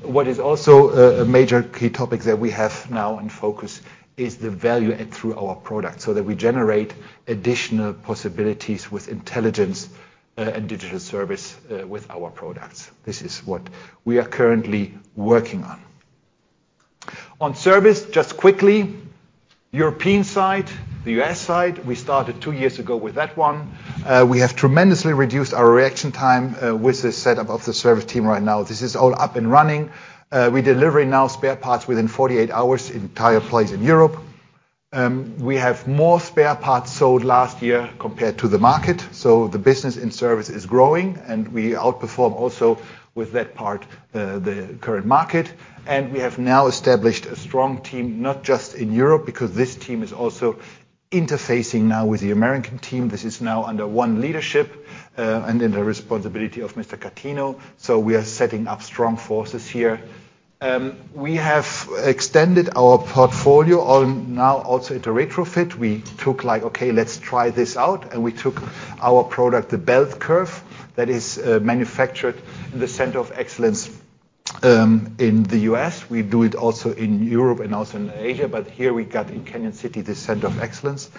What is also a major key topic that we have now in focus is the value through our product so that we generate additional possibilities with intelligence and digital service with our products. This is what we are currently working on. On service, just quickly, European side, the U.S. side, we started two years ago with that one. We have tremendously reduced our reaction time with the setup of the service team right now. This is all up and running. We're delivering now spare parts within 48 hours in entire places in Europe. We have more spare parts sold last year compared to the market. So the business in service is growing. And we outperform also with that part the current market. And we have now established a strong team not just in Europe because this team is also interfacing now with the American team. This is now under one leadership and in the responsibility of Mr. Catino. So we are setting up strong forces here. We have extended our portfolio now also into retrofit. We took like, "Okay, let's try this out." And we took our product, the Belt Curve, that is manufactured in the Center of Excellence in the US. We do it also in Europe and also in Asia. But here, we got in Cañon City the Center of Excellence.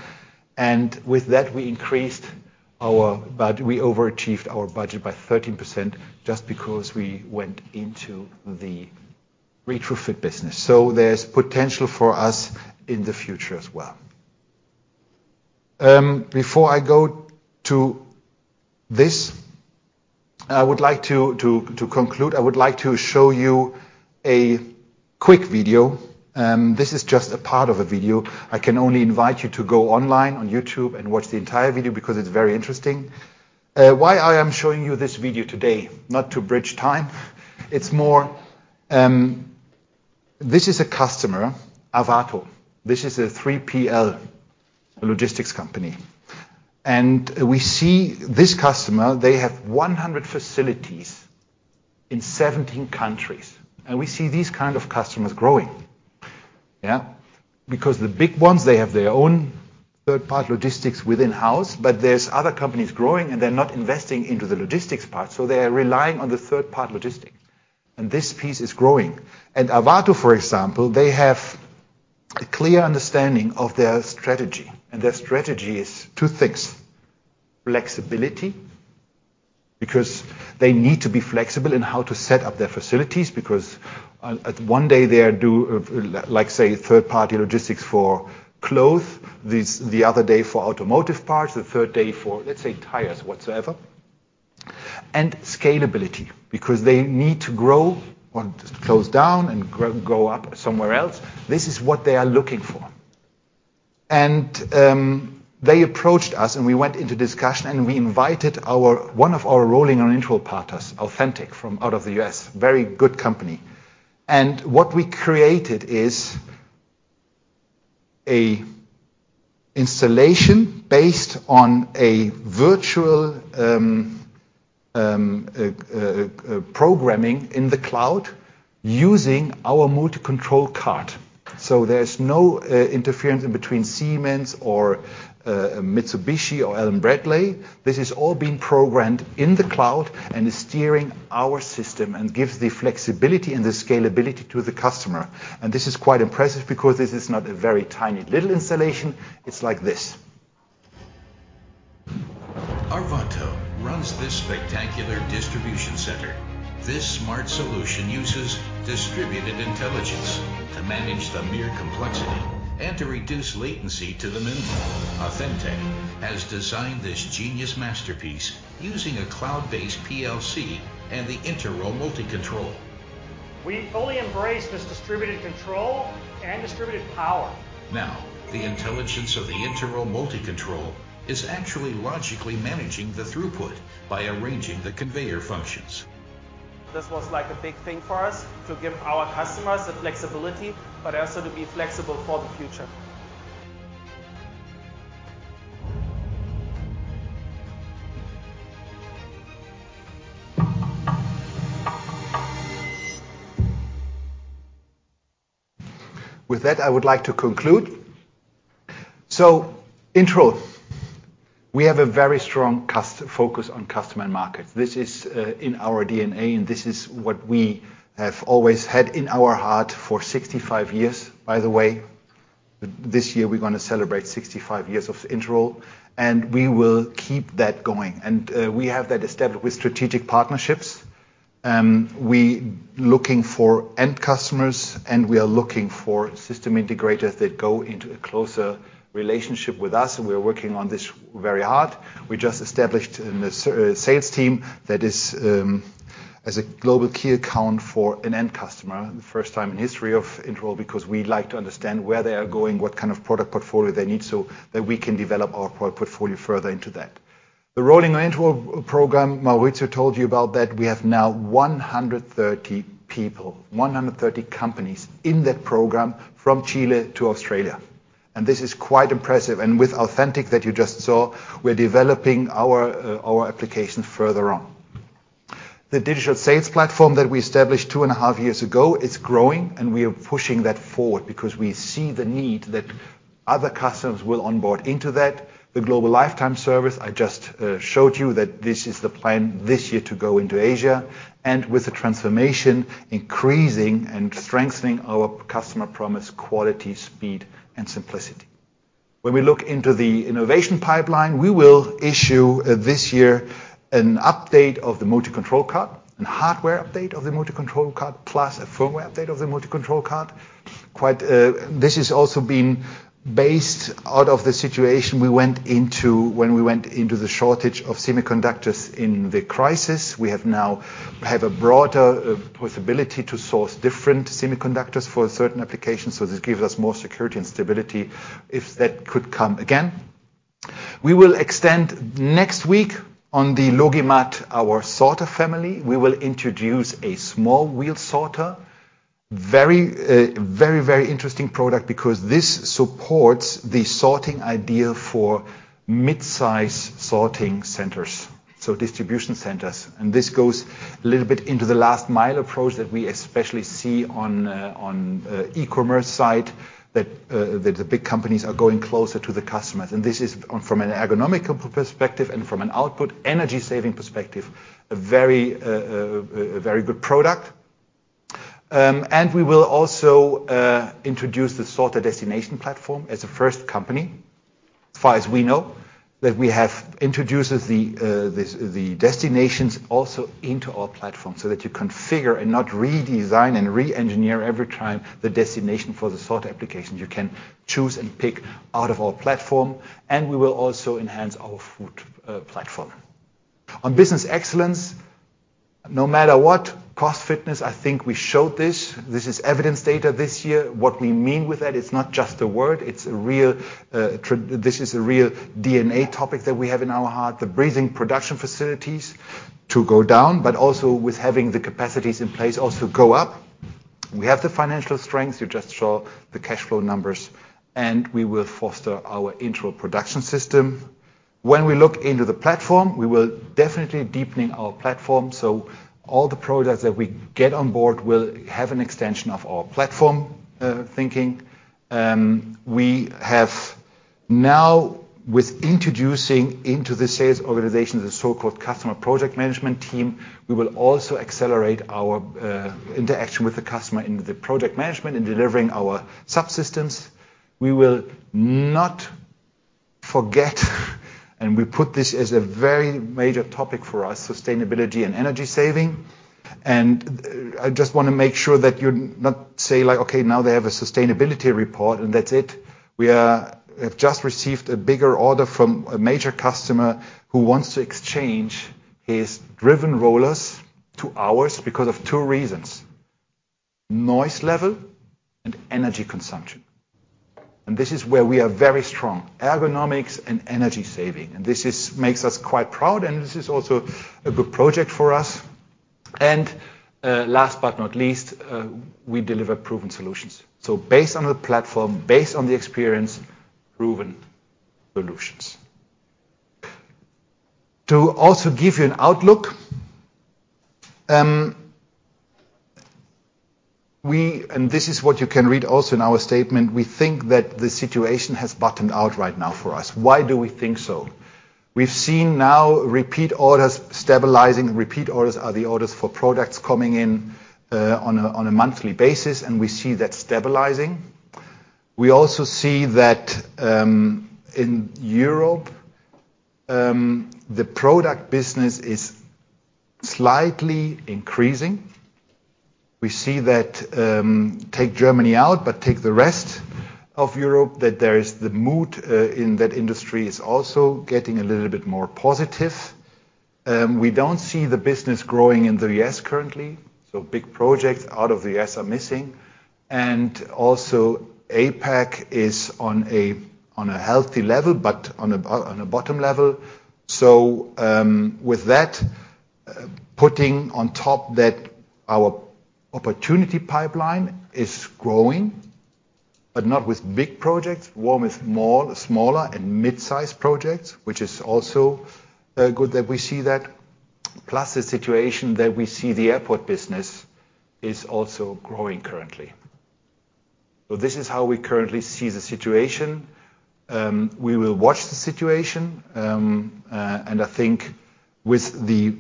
And with that, we increased our but we overachieved our budget by 13% just because we went into the retrofit business. So there's potential for us in the future as well. Before I go to this, I would like to conclude. I would like to show you a quick video. This is just a part of a video. I can only invite you to go online on YouTube and watch the entire video because it's very interesting. Why I am showing you this video today, not to bridge time, it's more this is a customer, Arvato. This is a 3PL logistics company. And we see this customer, they have 100 facilities in 17 countries. We see these kind of customers growing, yeah, because the big ones, they have their own third-party logistics in-house. But there's other companies growing. They're not investing into the logistics part. They are relying on the third-party logistics. This piece is growing. Arvato, for example, they have a clear understanding of their strategy. Their strategy is two things: flexibility because they need to be flexible in how to set up their facilities because one day, they're doing, say, third-party logistics for clothes, the other day for automotive parts, the third day for, let's say, tires, whatsoever, and scalability because they need to grow or close down and go up somewhere else. This is what they are looking for. They approached us. We went into discussion. We invited one of our Rolling On Interroll partners, AuthenTEK, from out of the U.S., very good company. What we created is an installation based on a virtual programming in the cloud using our MultiControl card. So there's no interference in between Siemens or Mitsubishi or Allen-Bradley. This has all been programmed in the cloud and is steering our system and gives the flexibility and the scalability to the customer. And this is quite impressive because this is not a very tiny little installation. It's like this. Arvato runs this spectacular distribution center. This smart solution uses distributed intelligence to manage the mere complexity and to reduce latency to the minimum. AuthenTEK has designed this genius masterpiece using a cloud-based PLC and the Interroll MultiControl. We fully embrace this distributed control and distributed power. Now, the intelligence of the Interroll MultiControl is actually logically managing the throughput by arranging the conveyor functions. This was like a big thing for us to give our customers the flexibility but also to be flexible for the future. With that, I would like to conclude. So Interroll, we have a very strong focus on customer and market. This is in our DNA. This is what we have always had in our heart for 65 years, by the way. This year, we're going to celebrate 65 years of Interroll. We will keep that going. We have that established with strategic partnerships. We're looking for end customers. We are looking for system integrators that go into a closer relationship with us. We are working on this very hard. We just established a sales team that is as a global key account for an end customer, the first time in history of Interroll because we like to understand where they are going, what kind of product portfolio they need so that we can develop our product portfolio further into that. The Rolling On Interroll program, Maurizio told you about that, we have now 130 people, 130 companies in that program from Chile to Australia. This is quite impressive. With AuthenTEK that you just saw, we're developing our application further on. The digital sales platform that we established two and a half years ago, it's growing. We are pushing that forward because we see the need that other customers will onboard into that, the global Lifetime Service. I just showed you that this is the plan this year to go into Asia and with the transformation, increasing and strengthening our customer promise, quality, speed, and simplicity. When we look into the innovation pipeline, we will issue this year an update of the MultiControl card, a hardware update of the MultiControl card, plus a firmware update of the MultiControl card. This has also been based out of the situation we went into when we went into the shortage of semiconductors in the crisis. We now have a broader possibility to source different semiconductors for certain applications. So this gives us more security and stability if that could come again. We will extend next week on the LogiMAT, our sorter family. We will introduce a Small Wheel Sorter, very, very, very interesting product because this supports the sorting idea for midsize sorting centers, so distribution centers. This goes a little bit into the last-mile approach that we especially see on the e-commerce side that the big companies are going closer to the customers. And this is from an ergonomic perspective and from an output energy-saving perspective, a very good product. And we will also introduce the Sorter Destination Platform as the first company, as far as we know, that we have introduced the destinations also into our platform so that you configure and not redesign and re-engineer every time the destination for the sorter application. You can choose and pick out of our platform. And we will also enhance our food platform. On business excellence, no matter what, cost fitness, I think we showed this. This is evidence data this year. What we mean with that, it's not just a word. This is a real DNA topic that we have in our heart, the breathing production facilities to go down but also with having the capacities in place also go up. We have the financial strengths. You just saw the cash flow numbers. We will foster our Interroll Production System. When we look into the platform, we will definitely be deepening our platform. So all the products that we get on board will have an extension of our platform thinking. We have now, with introducing into the sales organization the so-called Customer Project Management team, we will also accelerate our interaction with the customer in the project management in delivering our subsystems. We will not forget and we put this as a very major topic for us, sustainability and energy saving. I just want to make sure that you're not say like, "Okay, now they have a sustainability report, and that's it." We have just received a bigger order from a major customer who wants to exchange his driven rollers to ours because of two reasons: noise level and energy consumption. And this is where we are very strong, ergonomics and energy saving. And this makes us quite proud. And this is also a good project for us. And last but not least, we deliver proven solutions. So based on the platform, based on the experience, proven solutions. To also give you an outlook, we and this is what you can read also in our statement, we think that the situation has bottomed out right now for us. Why do we think so? We've seen now repeat orders stabilizing. Repeat orders are the orders for products coming in on a monthly basis. We see that stabilizing. We also see that in Europe, the product business is slightly increasing. We see that, take Germany out but take the rest of Europe, that the mood in that industry is also getting a little bit more positive. We don't see the business growing in the U.S. currently. Big projects out of the U.S. are missing. APAC is on a healthy level but on a bottom level. With that, putting on top that our opportunity pipeline is growing but not with big projects, warm with smaller and midsize projects, which is also good that we see that, plus the situation that we see the airport business is also growing currently. This is how we currently see the situation. We will watch the situation. I think with the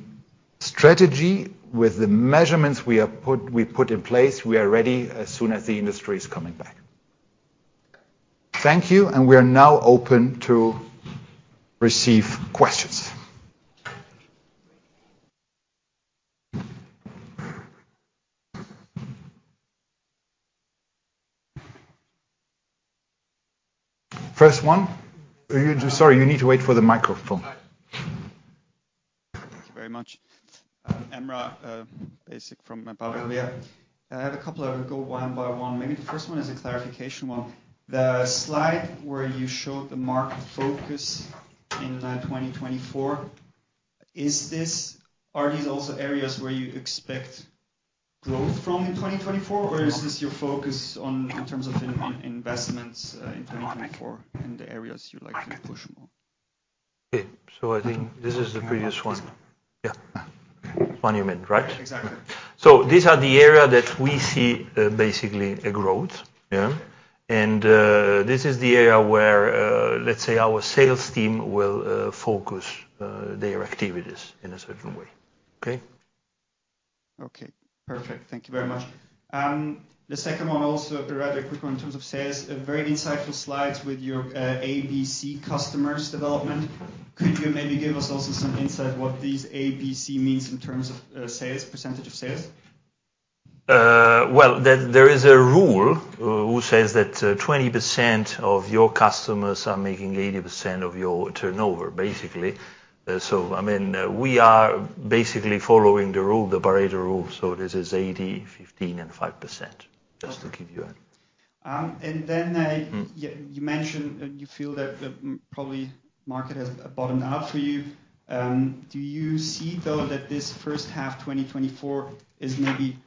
strategy, with the measurements we put in place, we are ready as soon as the industry is coming back. Thank you. We are now open to receive questions. First one. Are you—sorry, you need to wait for the microphone. Thank you very much. Emrah Basic from Baader Helvea. I have a couple of them. Go one by one. Maybe the first one is a clarification one. The slide where you showed the market focus in 2024, are these also areas where you expect growth from in 2024? Or is this your focus in terms of investments in 2024 and the areas you'd like to push more? Okay. So I think this is the previous one. Yeah. It's one you meant, right? Exactly. So these are the areas that we see basically a growth, yeah? This is the area where, let's say, our sales team will focus their activities in a certain way, okay? Okay. Perfect. Thank you very much. The second one also, rather quick one in terms of sales, very insightful slides with your ABC customers development. Could you maybe give us also some insight what these ABC means in terms of sales, percentage of sales? Well, there is a rule who says that 20% of your customers are making 80% of your turnover, basically. So, I mean, we are basically following the rule, the Pareto rule. So this is 80%, 15%, and 5%, just to give you an. And then you mentioned you feel that probably market has bottomed out for you. Do you see, though, that this first half 2024 is maybe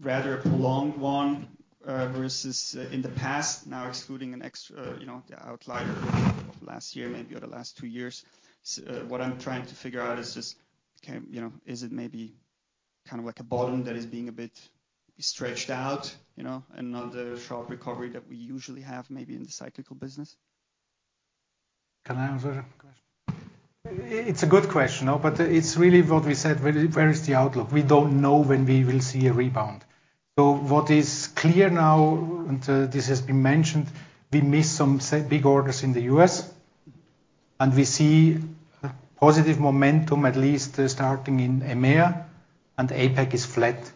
rather a prolonged one versus in the past, now excluding an extra outlier of last year maybe or the last two years? What I'm trying to figure out is just, is it maybe kind of like a bottom that is being a bit stretched out and not the sharp recovery that we usually have maybe in the cyclical business? Can I answer the question? It's a good question, though. But it's really what we said, where is the outlook? We don't know when we will see a rebound. So what is clear now, and this has been mentioned, we miss some big orders in the U.S. And we see positive momentum, at least starting in EMEA. And APAC is flat.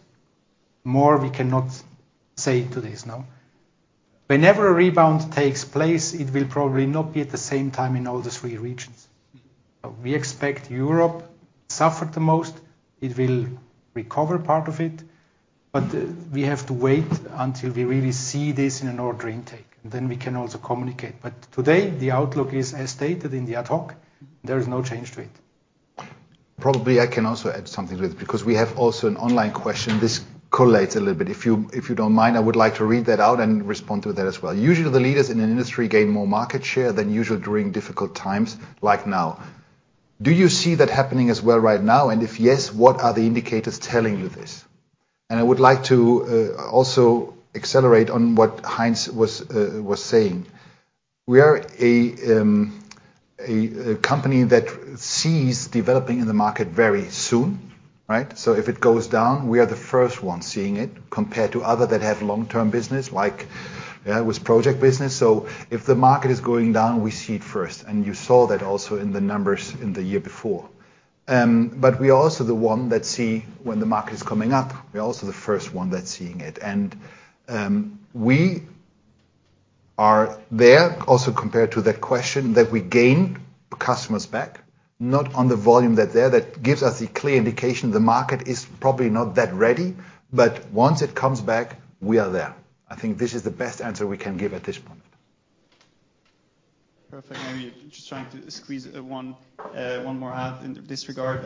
More, we cannot say to this, no? Whenever a rebound takes place, it will probably not be at the same time in all the three regions. We expect Europe suffered the most. It will recover part of it. But we have to wait until we really see this in an order intake. And then we can also communicate. But today, the outlook is as stated in the ad hoc. There is no change to it. Probably, I can also add something to it because we have also an online question. This collates a little bit. If you don't mind, I would like to read that out and respond to that as well. Usually, the leaders in an industry gain more market share than usual during difficult times like now. Do you see that happening as well right now? And if yes, what are the indicators telling you this? I would like to also accelerate on what Heinz was saying. We are a company that sees developing in the market very soon, right? So if it goes down, we are the first ones seeing it compared to other that have long-term business like with project business. So if the market is going down, we see it first. And you saw that also in the numbers in the year before. But we are also the one that see when the market is coming up. We are also the first one that's seeing it. And we are there also compared to that question that we gain customers back, not on the volume that's there. That gives us the clear indication the market is probably not that ready. But once it comes back, we are there. I think this is the best answer we can give at this point. Perfect. I'm just trying to squeeze one more out in this regard.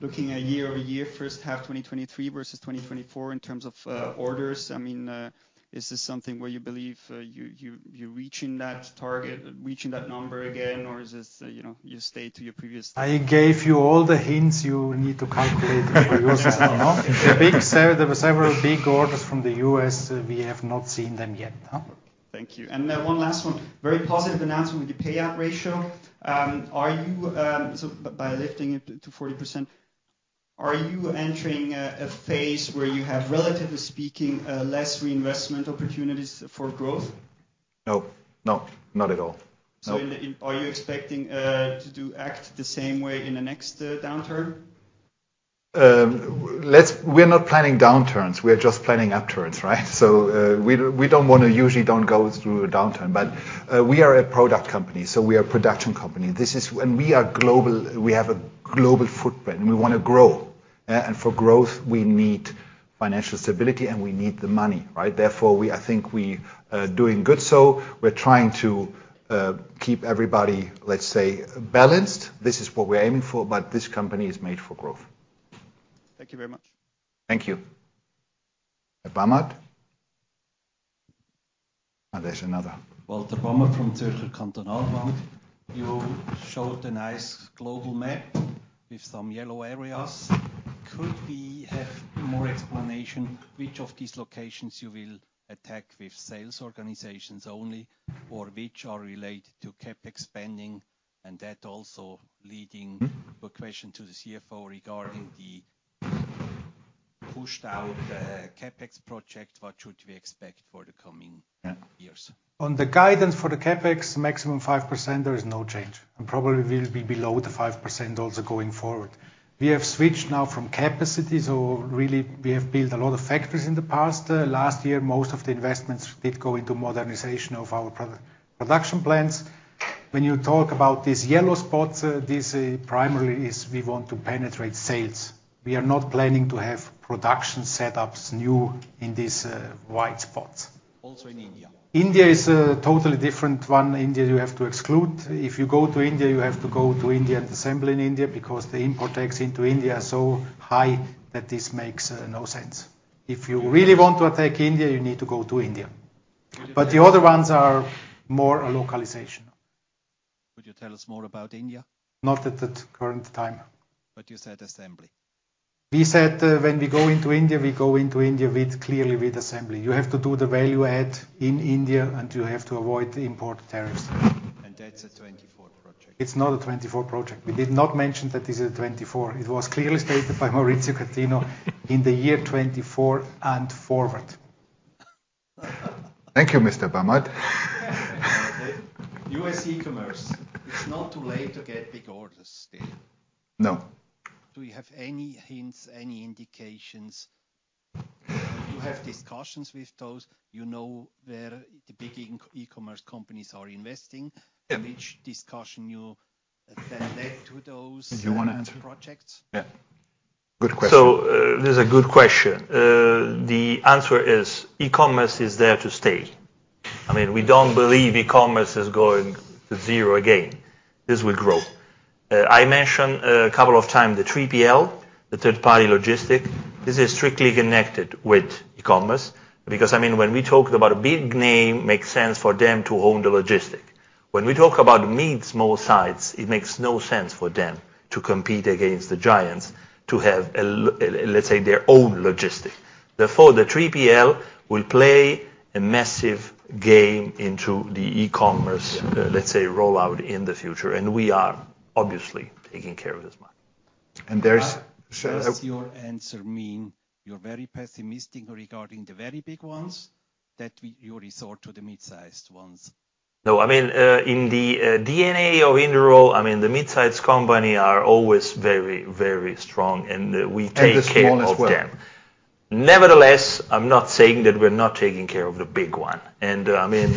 Looking year-over-year, first half 2023 versus 2024 in terms of orders, I mean, is this something where you believe you're reaching that target, reaching that number again? Or is this you stay to your previous? I gave you all the hints. You need to calculate it for yourself, no? There were several big orders from the U.S. We have not seen them yet, no? Thank you. And one last one, very positive announcement with the payout ratio. So by lifting it to 40%, are you entering a phase where you have, relatively speaking, less reinvestment opportunities for growth? No. No. Not at all. No. So are you expecting to act the same way in the next downturn? We're not planning downturns. We are just planning upturns, right? So we don't want to usually don't go through a downturn. But we are a product company. So we are a production company. We have a global footprint. We want to grow. For growth, we need financial stability. We need the money, right? Therefore, I think we are doing good so. We're trying to keep everybody, let's say, balanced. This is what we're aiming for. But this company is made for growth. Thank you very much. Thank you. Herr Bamert? And there's another. Walter Bamert from Zürcher Kantonalbank. You showed a nice global map with some yellow areas. Could we have more explanation which of these locations you will attack with sales organizations only or which are related to CapEx spending and that also leading a question to the CFO regarding the pushed-out CapEx project? What should we expect for the coming years? On the guidance for the CapEx, maximum 5%, there is no change. Probably will be below the 5% also going forward. We have switched now from capacity. Really, we have built a lot of factories in the past. Last year, most of the investments did go into modernization of our production plants. When you talk about these yellow spots, this primarily is we want to penetrate sales. We are not planning to have production setups new in these white spots. Also in India? India is a totally different one. India, you have to exclude. If you go to India, you have to go to India and assemble in India because the import tax into India is so high that this makes no sense. If you really want to attack India, you need to go to India. But the other ones are more a localization. Could you tell us more about India? Not at the current time. But you said assembly. We said when we go into India, we go into India clearly with assembly. You have to do the value add in India. And you have to avoid import tariffs. And that's a 2024 project? It's not a 2024 project. We did not mention that this is a 2024. It was clearly stated by Maurizio Catino in the year 2024 and forward. Thank you, Mr. Bamert. U.S. e-commerce, it's not too late to get big orders still? No. Do you have any hints, any indications? You have discussions with those. You know where the big e-commerce companies are investing. Which discussion then led to those projects? Yeah. Good question. So this is a good question. The answer is e-commerce is there to stay. I mean, we don't believe e-commerce is going to zero again. This will grow. I mentioned a couple of times the 3PL, the third-party logistics. This is strictly connected with e-commerce because, I mean, when we talk about a big name, it makes sense for them to own the logistics. When we talk about mid-small sized, it makes no sense for them to compete against the giants to have, let's say, their own logistics. Therefore, the 3PL will play a massive game into the e-commerce, let's say, rollout in the future. And we are obviously taking care of this money. And there's so what does your answer mean? You're very pessimistic regarding the very big ones that you resort to the midsized ones? No. I mean, in the DNA of Interroll, I mean, the midsized companies are always very, very strong. And we take care of them. And the small as well. Nevertheless, I'm not saying that we're not taking care of the big one. And, I mean,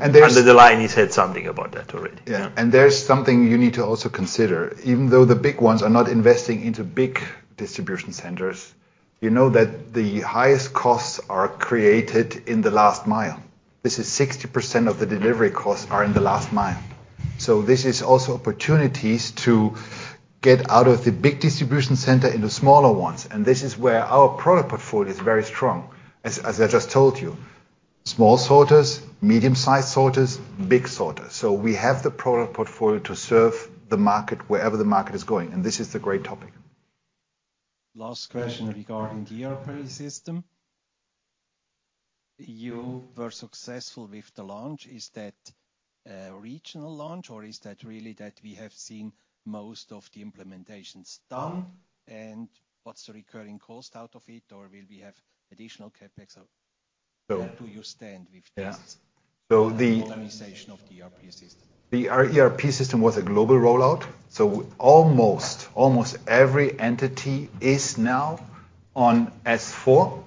under the line, you said something about that already, yeah? And there's something you need to also consider. Even though the big ones are not investing into big distribution centers, you know that the highest costs are created in the last mile. This is 60% of the delivery costs are in the last mile. So this is also opportunities to get out of the big distribution center into smaller ones. And this is where our product portfolio is very strong, as I just told you, small sorters, medium-sized sorters, big sorters. So we have the product portfolio to serve the market wherever the market is going. And this is the great topic. Last question regarding the airplane system. You were successful with the launch. Is that regional launch? Or is that really that we have seen most of the implementations done? And what's the recurring cost out of it? Or will we have additional CapEx? So where do you stand with this modernization of the ERP system? The ERP system was a global rollout. So almost every entity is now on S/4.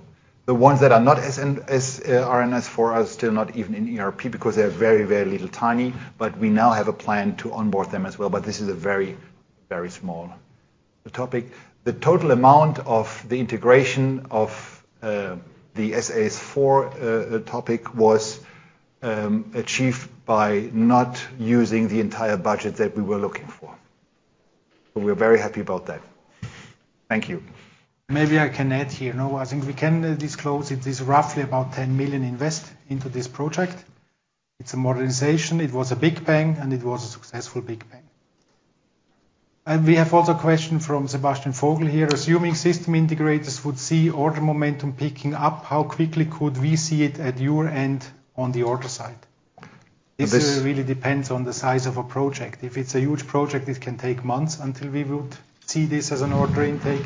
The ones that are not on S/4 are still not even in ERP because they are very, very little, tiny. But we now have a plan to onboard them as well. But this is a very, very small topic. The total amount of the integration of the S/4 topic was achieved by not using the entire budget that we were looking for. So we're very happy about that. Thank you. Maybe I can add here, no? I think we can disclose it. It's roughly about 10 million invested into this project. It's a modernization. It was a big bang. It was a successful big bang. We have also a question from Sebastian Vogel here. Assuming system integrators would see order momentum picking up, how quickly could we see it at your end on the order side? This really depends on the size of a project. If it's a huge project, it can take months until we would see this as an order intake.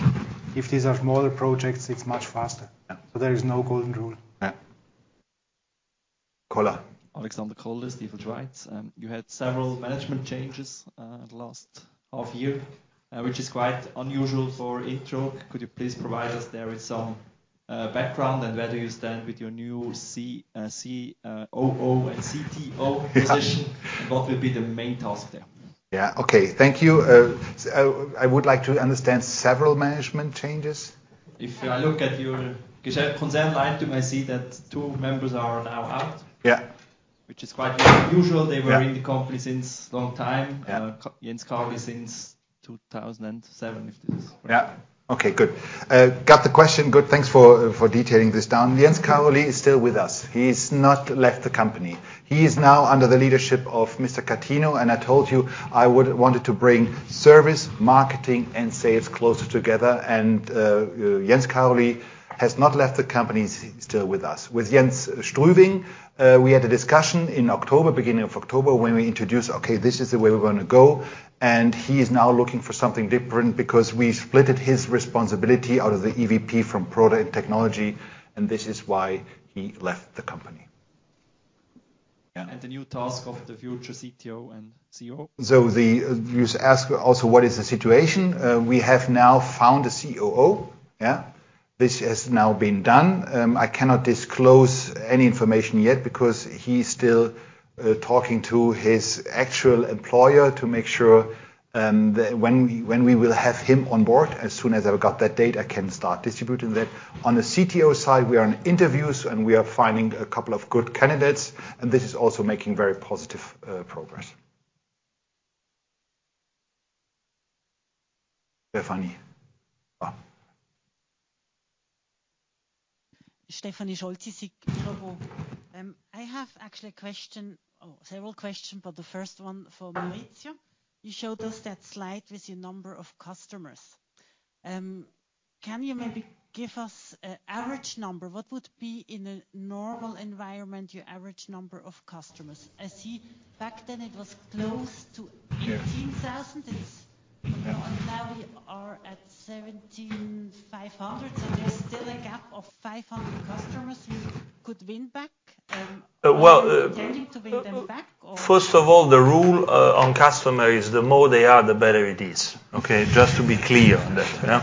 If these are smaller projects, it's much faster. So there is no golden rule. Yeah. Koller. Alexander Koller, Stifel. You had several management changes in the last half year, which is quite unusual for Interroll. Could you please provide us with some background and where do you stand with your new COO and CTO position? And what will be the main task there? Yeah. Okay. Thank you. I would like to understand several management changes. If I look at your concept consent line too, I see that two members are now out, which is quite unusual. They were in the company since a long time, Jens Karolyi since 2007, if this is correct. Yeah. Okay. Good. Got the question. Good. Thanks for detailing this down. Jens Karolyi is still with us. He's not left the company. He is now under the leadership of Mr. Catino. And I told you I wanted to bring service, marketing, and sales closer together. And Jens Karolyi has not left the company. He's still with us. With Jens Strüwing, we had a discussion in October, beginning of October, when we introduced, "Okay. This is the way we're going to go." And he is now looking for something different because we split his responsibility out of the EVP from product and technology. And this is why he left the company. Yeah. The new task of the future CTO and COO? So you asked also, what is the situation? We have now found a COO, yeah? This has now been done. I cannot disclose any information yet because he's still talking to his actual employer to make sure when we will have him on board. As soon as I've got that date, I can start distributing that. On the CTO side, we are in interviews. We are finding a couple of good candidates. This is also making very positive progress. Stephanie. Stephanie Scholz, EC Global. I have actually a question, several questions, but the first one for Maurizio. You showed us that slide with your number of customers. Can you maybe give us an average number? What would be, in a normal environment, your average number of customers? I see back then, it was close to 18,000. Now, we are at 17,500. So there's still a gap of 500 customers you could win back. You're tending to win them back, or? First of all, the rule on customers is the more they are, the better it is, okay, just to be clear on that, yeah?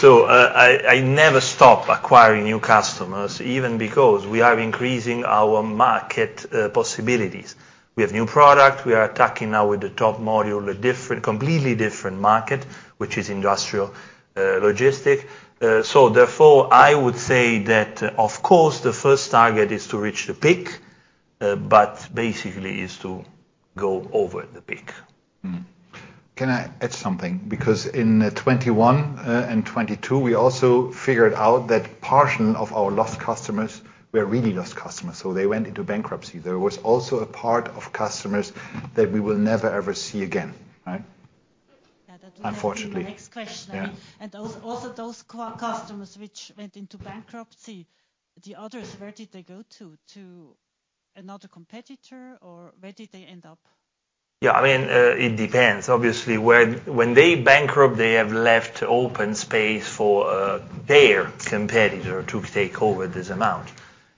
I never stop acquiring new customers even because we are increasing our market possibilities. We have new product. We are attacking now with the Top Loader, a completely different market, which is industrial logistics. Therefore, I would say that, of course, the first target is to reach the peak. But basically, it's to go over the peak. Can I add something? Because in 2021 and 2022, we also figured out that part of our lost customers were really lost customers. So they went into bankruptcy. There was also a part of customers that we will never, ever see again, right, unfortunately. Yeah. That was the next question. And also those customers which went into bankruptcy, the others, where did they go to? To another competitor? Or where did they end up? Yeah. I mean, it depends, obviously. When they bankrupt, they have left open space for their competitor to take over this amount.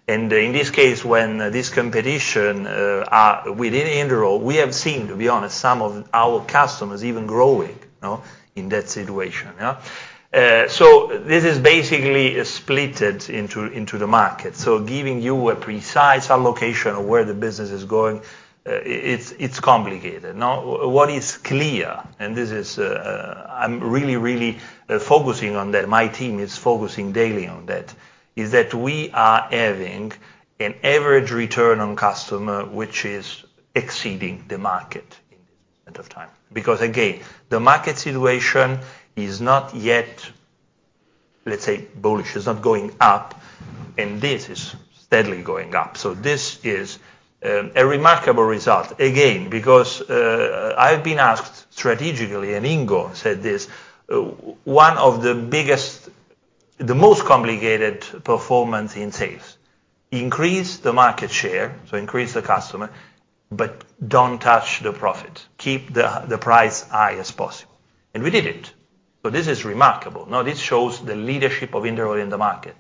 And in this case, when this competition are within Interroll, we have seen, to be honest, some of our customers even growing in that situation, yeah? So this is basically splitted into the market. So giving you a precise allocation of where the business is going, it's complicated, no? What is clear and this is I'm really, really focusing on that. My team is focusing daily on that is that we are having an average return on customer which is exceeding the market in this span of time because, again, the market situation is not yet, let's say, bullish. It's not going up. This is steadily going up. This is a remarkable result, again, because I've been asked strategically. Ingo said this. One of the biggest, the most complicated performance in sales, increase the market share, so increase the customer, but don't touch the profit. Keep the price high as possible. We did it. This is remarkable, no? This shows the leadership of Interroll in the market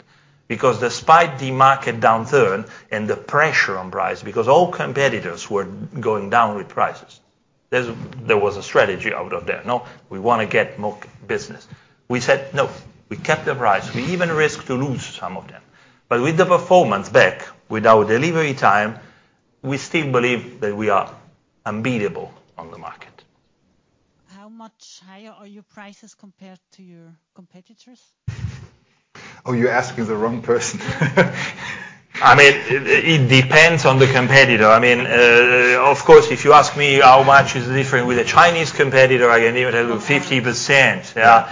because despite the market downturn and the pressure on price because all competitors were going down with prices, there was a strategy out of there, no? We want to get more business. We said, "No." We kept the price. We even risked to lose some of them. But with the performance back, without delivery time, we still believe that we are unbeatable on the market. How much higher are your prices compared to your competitors? Oh, you're asking the wrong person. I mean, it depends on the competitor. I mean, of course, if you ask me how much is the difference with a Chinese competitor, I can even tell you 50%, yeah?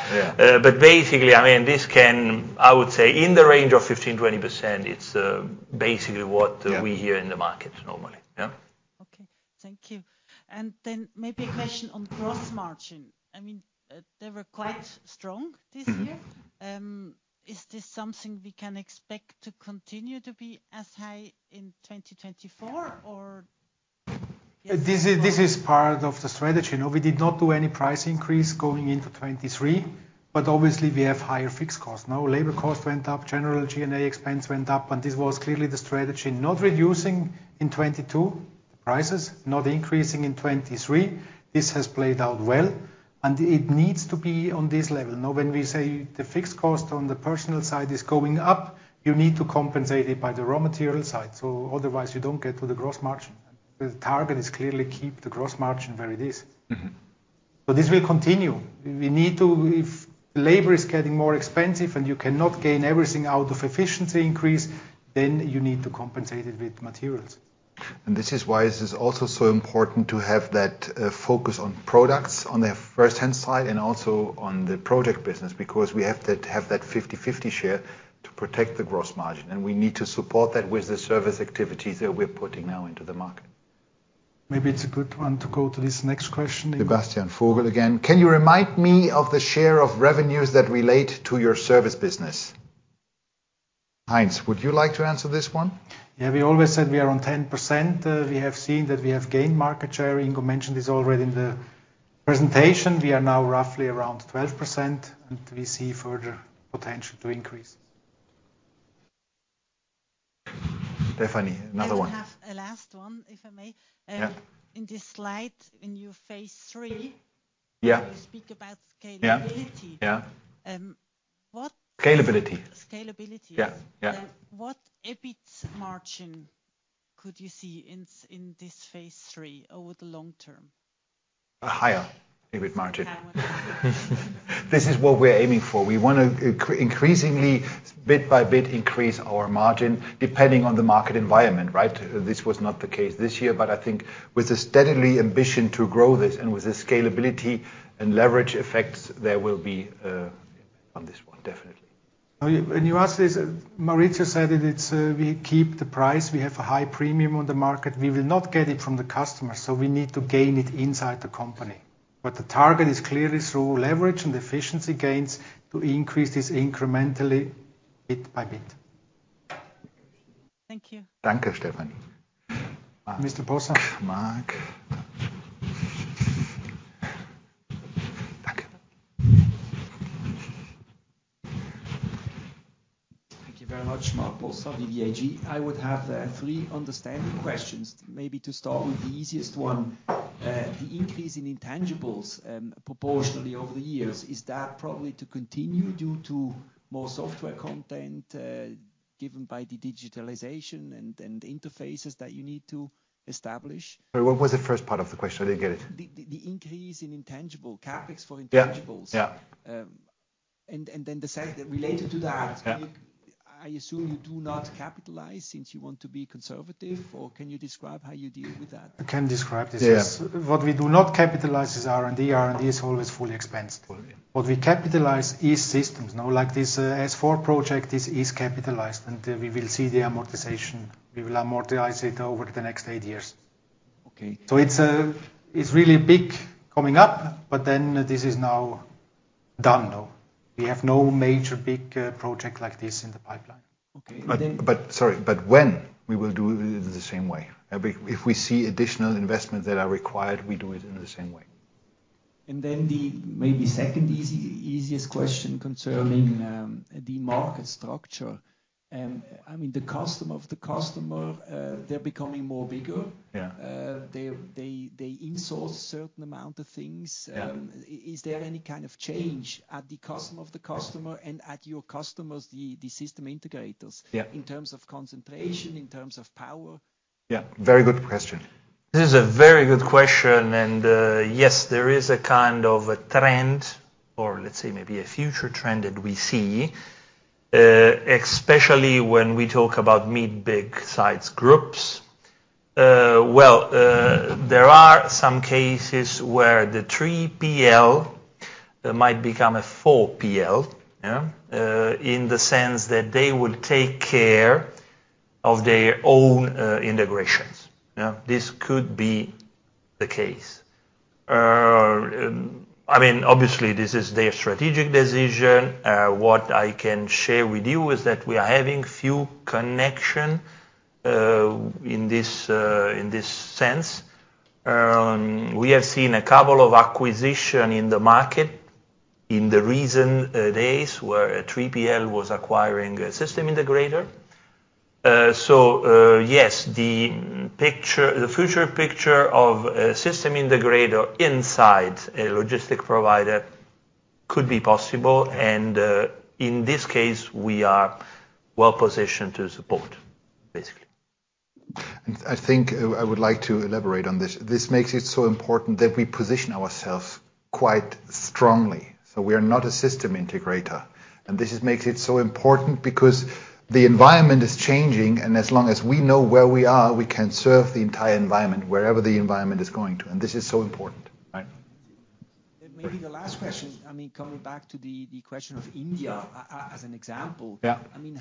But basically, I mean, this can, I would say, in the range of 15%-20%. It's basically what we hear in the market normally, yeah? Okay. Thank you. And then maybe a question on gross margin. I mean, they were quite strong this year. Is this something we can expect to continue to be as high in 2024, or? This is part of the strategy, no? We did not do any price increase going into 2023. But obviously, we have higher fixed costs, no? Labor costs went up. General G&A expense went up. And this was clearly the strategy, not reducing in 2022 the prices, not increasing in 2023. This has played out well. And it needs to be on this level, no? When we say the fixed cost on the personal side is going up, you need to compensate it by the raw material side. So otherwise, you don't get to the gross margin. The target is clearly keep the gross margin where it is. So this will continue. We need to if labor is getting more expensive and you cannot gain everything out of efficiency increase, then you need to compensate it with materials. This is why this is also so important to have that focus on products on the first-hand side and also on the project business because we have to have that 50/50 share to protect the gross margin. We need to support that with the service activities that we're putting now into the market. Maybe it's a good one to go to this next question. Sebastian Vogel again. Can you remind me of the share of revenues that relate to your service business? Heinz, would you like to answer this one? Yeah. We always said we are on 10%. We have seen that we have gained market share. Ingo mentioned this already in the presentation. We are now roughly around 12%. We see further potential to increase. Stephanie, another one. Can I have a last one, if I may? In this slide, in your phase three, you speak about scalability. What? Scalability. Scalability. Yeah. Yeah. What EBIT margin could you see in this phase three over the long term? A higher EBIT margin. This is what we're aiming for. We want to increasingly, bit by bit, increase our margin depending on the market environment, right? This was not the case this year. But I think with a steadily ambition to grow this and with the scalability and leverage effects, there will be on this one, definitely. And you asked this. Maurizio said it. It's we keep the price. We have a high premium on the market. We will not get it from the customers. So we need to gain it inside the company. But the target is clearly through leverage and efficiency gains to increase this incrementally, bit by bit. Thank you. Thank you, Stephanie. Mr. Possa. Marc. Thank you very much, Marc Possa, VV AG. I would have three understanding questions, maybe to start with the easiest one. The increase in intangibles proportionally over the years, is that probably to continue due to more software content given by the digitalization and interfaces that you need to establish? Sorry. What was the first part of the question? I didn't get it. The increase in intangible, CapEx for intangibles. And then related to that, I assume you do not capitalize since you want to be conservative. Or can you describe how you deal with that? I can describe this, yes. What we do not capitalize is R&D. R&D is always fully expensed. What we capitalize is systems, no? Like this S/4 project, this is capitalized. And we will see the amortization. We will amortize it over the next eight years. So it's really big coming up. But then this is now done, no? We have no major, big project like this in the pipeline. Okay. But sorry. But when we will do it in the same way. If we see additional investment that are required, we do it in the same way. And then the maybe second easiest question concerning the market structure. I mean, the customer of the customer, they're becoming more bigger. They insource a certain amount of things. Is there any kind of change at the customer of the customer and at your customers, the system integrators, in terms of concentration, in terms of power? Yeah. Very good question. This is a very good question. And yes, there is a kind of a trend or let's say maybe a future trend that we see, especially when we talk about mid-big size groups. Well, there are some cases where the 3PL might become a 4PL, yeah, in the sense that they will take care of their own integrations, yeah? This could be the case. I mean, obviously, this is their strategic decision. What I can share with you is that we are having few connections in this sense. We have seen a couple of acquisitions in the market in the recent days where a 3PL was acquiring a system integrator. So yes, the future picture of a system integrator inside a logistic provider could be possible. And in this case, we are well-positioned to support, basically. And I think I would like to elaborate on this. This makes it so important that we position ourselves quite strongly. So we are not a system integrator. And this makes it so important because the environment is changing. And as long as we know where we are, we can serve the entire environment wherever the environment is going to. And this is so important, right? Maybe the last question. I mean, coming back to the question of India as an example, I mean,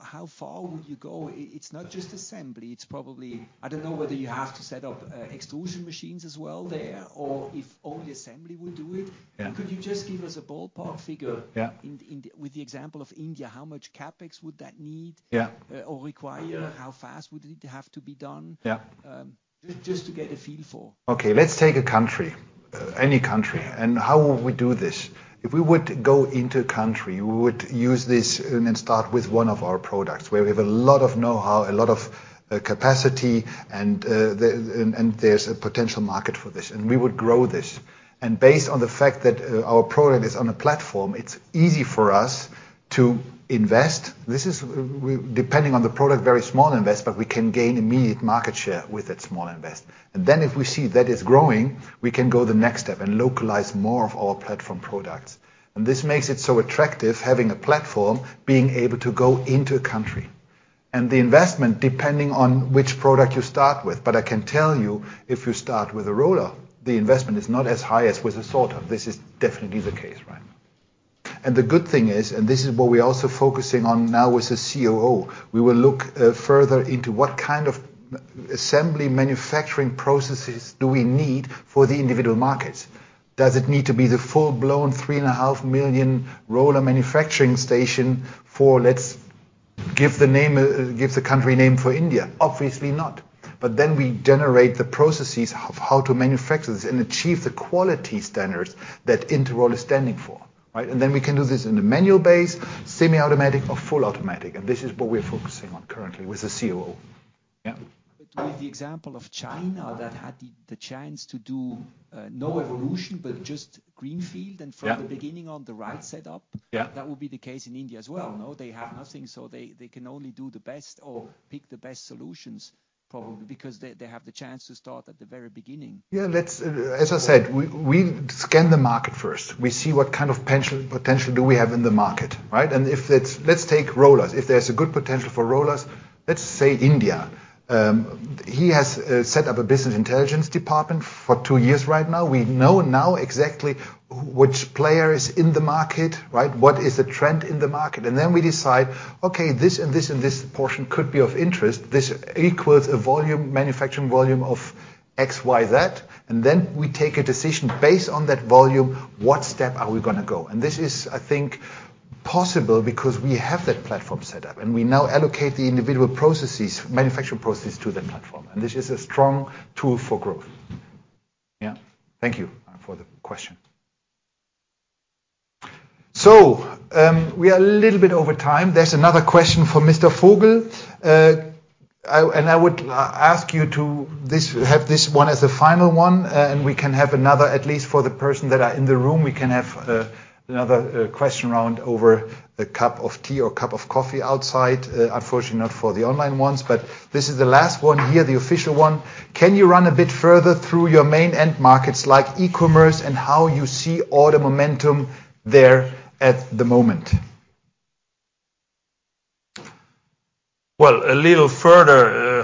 how far would you go? It's not just assembly. It's probably I don't know whether you have to set up extrusion machines as well there or if only assembly would do it. Could you just give us a ballpark figure with the example of India, how much CapEx would that need or require? How fast would it have to be done just to get a feel for? Okay. Let's take a country, any country. And how would we do this? If we would go into a country, we would use this and start with one of our products where we have a lot of know-how, a lot of capacity, and there's a potential market for this. We would grow this. Based on the fact that our product is on a platform, it's easy for us to invest. Depending on the product, very small invest. But we can gain immediate market share with that small invest. Then if we see that is growing, we can go the next step and localize more of our platform products. This makes it so attractive, having a platform, being able to go into a country and the investment depending on which product you start with. But I can tell you, if you start with a roller, the investment is not as high as with a sorter. This is definitely the case, right? The good thing is and this is what we're also focusing on now with the COO. We will look further into what kind of assembly manufacturing processes do we need for the individual markets? Does it need to be the full-blown 3.5-million roller manufacturing station for, let's give the country name for India? Obviously, not. But then we generate the processes of how to manufacture this and achieve the quality standards that Interroll is standing for, right? Then we can do this in a manual basis, semi-automatic, or full-automatic. This is what we're focusing on currently with the COO, yeah? But with the example of China that had the chance to do no evolution but just greenfield and from the beginning on the right setup, that would be the case in India as well, no? They have nothing. So they can only do the best or pick the best solutions probably because they have the chance to start at the very beginning. Yeah. As I said, we scan the market first. We see what kind of potential do we have in the market, right? And let's take rollers. If there's a good potential for rollers, let's say India. He has set up a business intelligence department for two years right now. We know now exactly which player is in the market, right? What is the trend in the market? And then we decide, "Okay. This and this and this portion could be of interest. This equals a volume, manufacturing volume of X, Y, Z." And then we take a decision based on that volume, what step are we going to go? And this is, I think, possible because we have that platform set up. We now allocate the individual processes, manufacturing processes to that platform. This is a strong tool for growth, yeah? Thank you for the question. We are a little bit over time. There's another question for Mr. Vogel. I would ask you to have this one as the final one. We can have another at least for the person that are in the room. We can have another question round over a cup of tea or cup of coffee outside. Unfortunately, not for the online ones. This is the last one here, the official one. Can you run a bit further through your main end markets like e-commerce and how you see all the momentum there at the moment? Well, a little further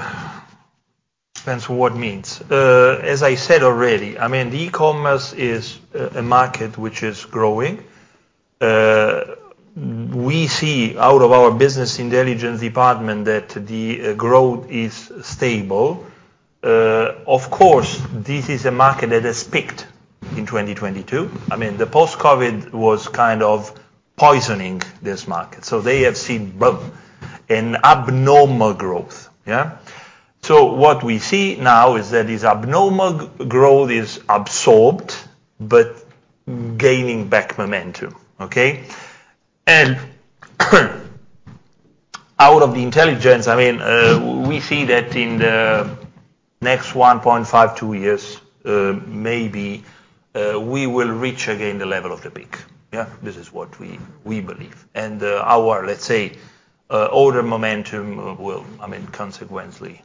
depends on what it means. As I said already, I mean, the e-commerce is a market which is growing. We see out of our business intelligence department that the growth is stable. Of course, this is a market that has peaked in 2022. I mean, the post-COVID was kind of poisoning this market. So they have seen, boom, an abnormal growth, yeah? So what we see now is that this abnormal growth is absorbed but gaining back momentum, okay? And out of the intelligence, I mean, we see that in the next 1.5-2 years, maybe, we will reach again the level of the peak, yeah? This is what we believe. And our, let's say, order momentum will, I mean, consequently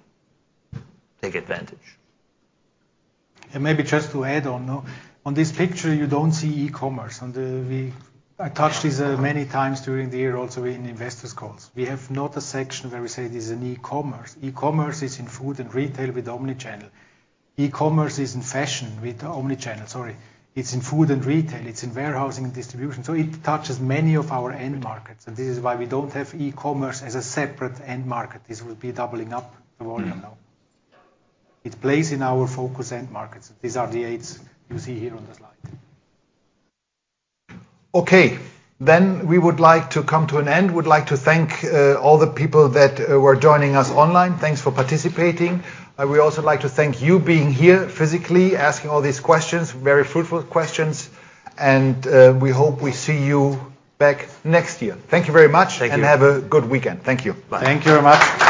take advantage. And maybe just to add on, no? On this picture, you don't see e-commerce. And I touched this many times during the year also in investors' calls. We have not a section where we say this is an e-commerce. E-commerce is in food and retail with Omnichannel. E-commerce is in fashion with Omnichannel, sorry. It's in food and retail. It's in warehousing and distribution. So it touches many of our end markets. And this is why we don't have e-commerce as a separate end market. This would be doubling up the volume, no? It plays in our focus end markets. These are the eights you see here on the slide. Okay. Then we would like to come to an end. Would like to thank all the people that were joining us online. Thanks for participating. We also like to thank you being here physically, asking all these questions, very fruitful questions. And we hope we see you back next year. Thank you very much. Thank you. And have a good weekend. Thank you. Bye. Thank you very much.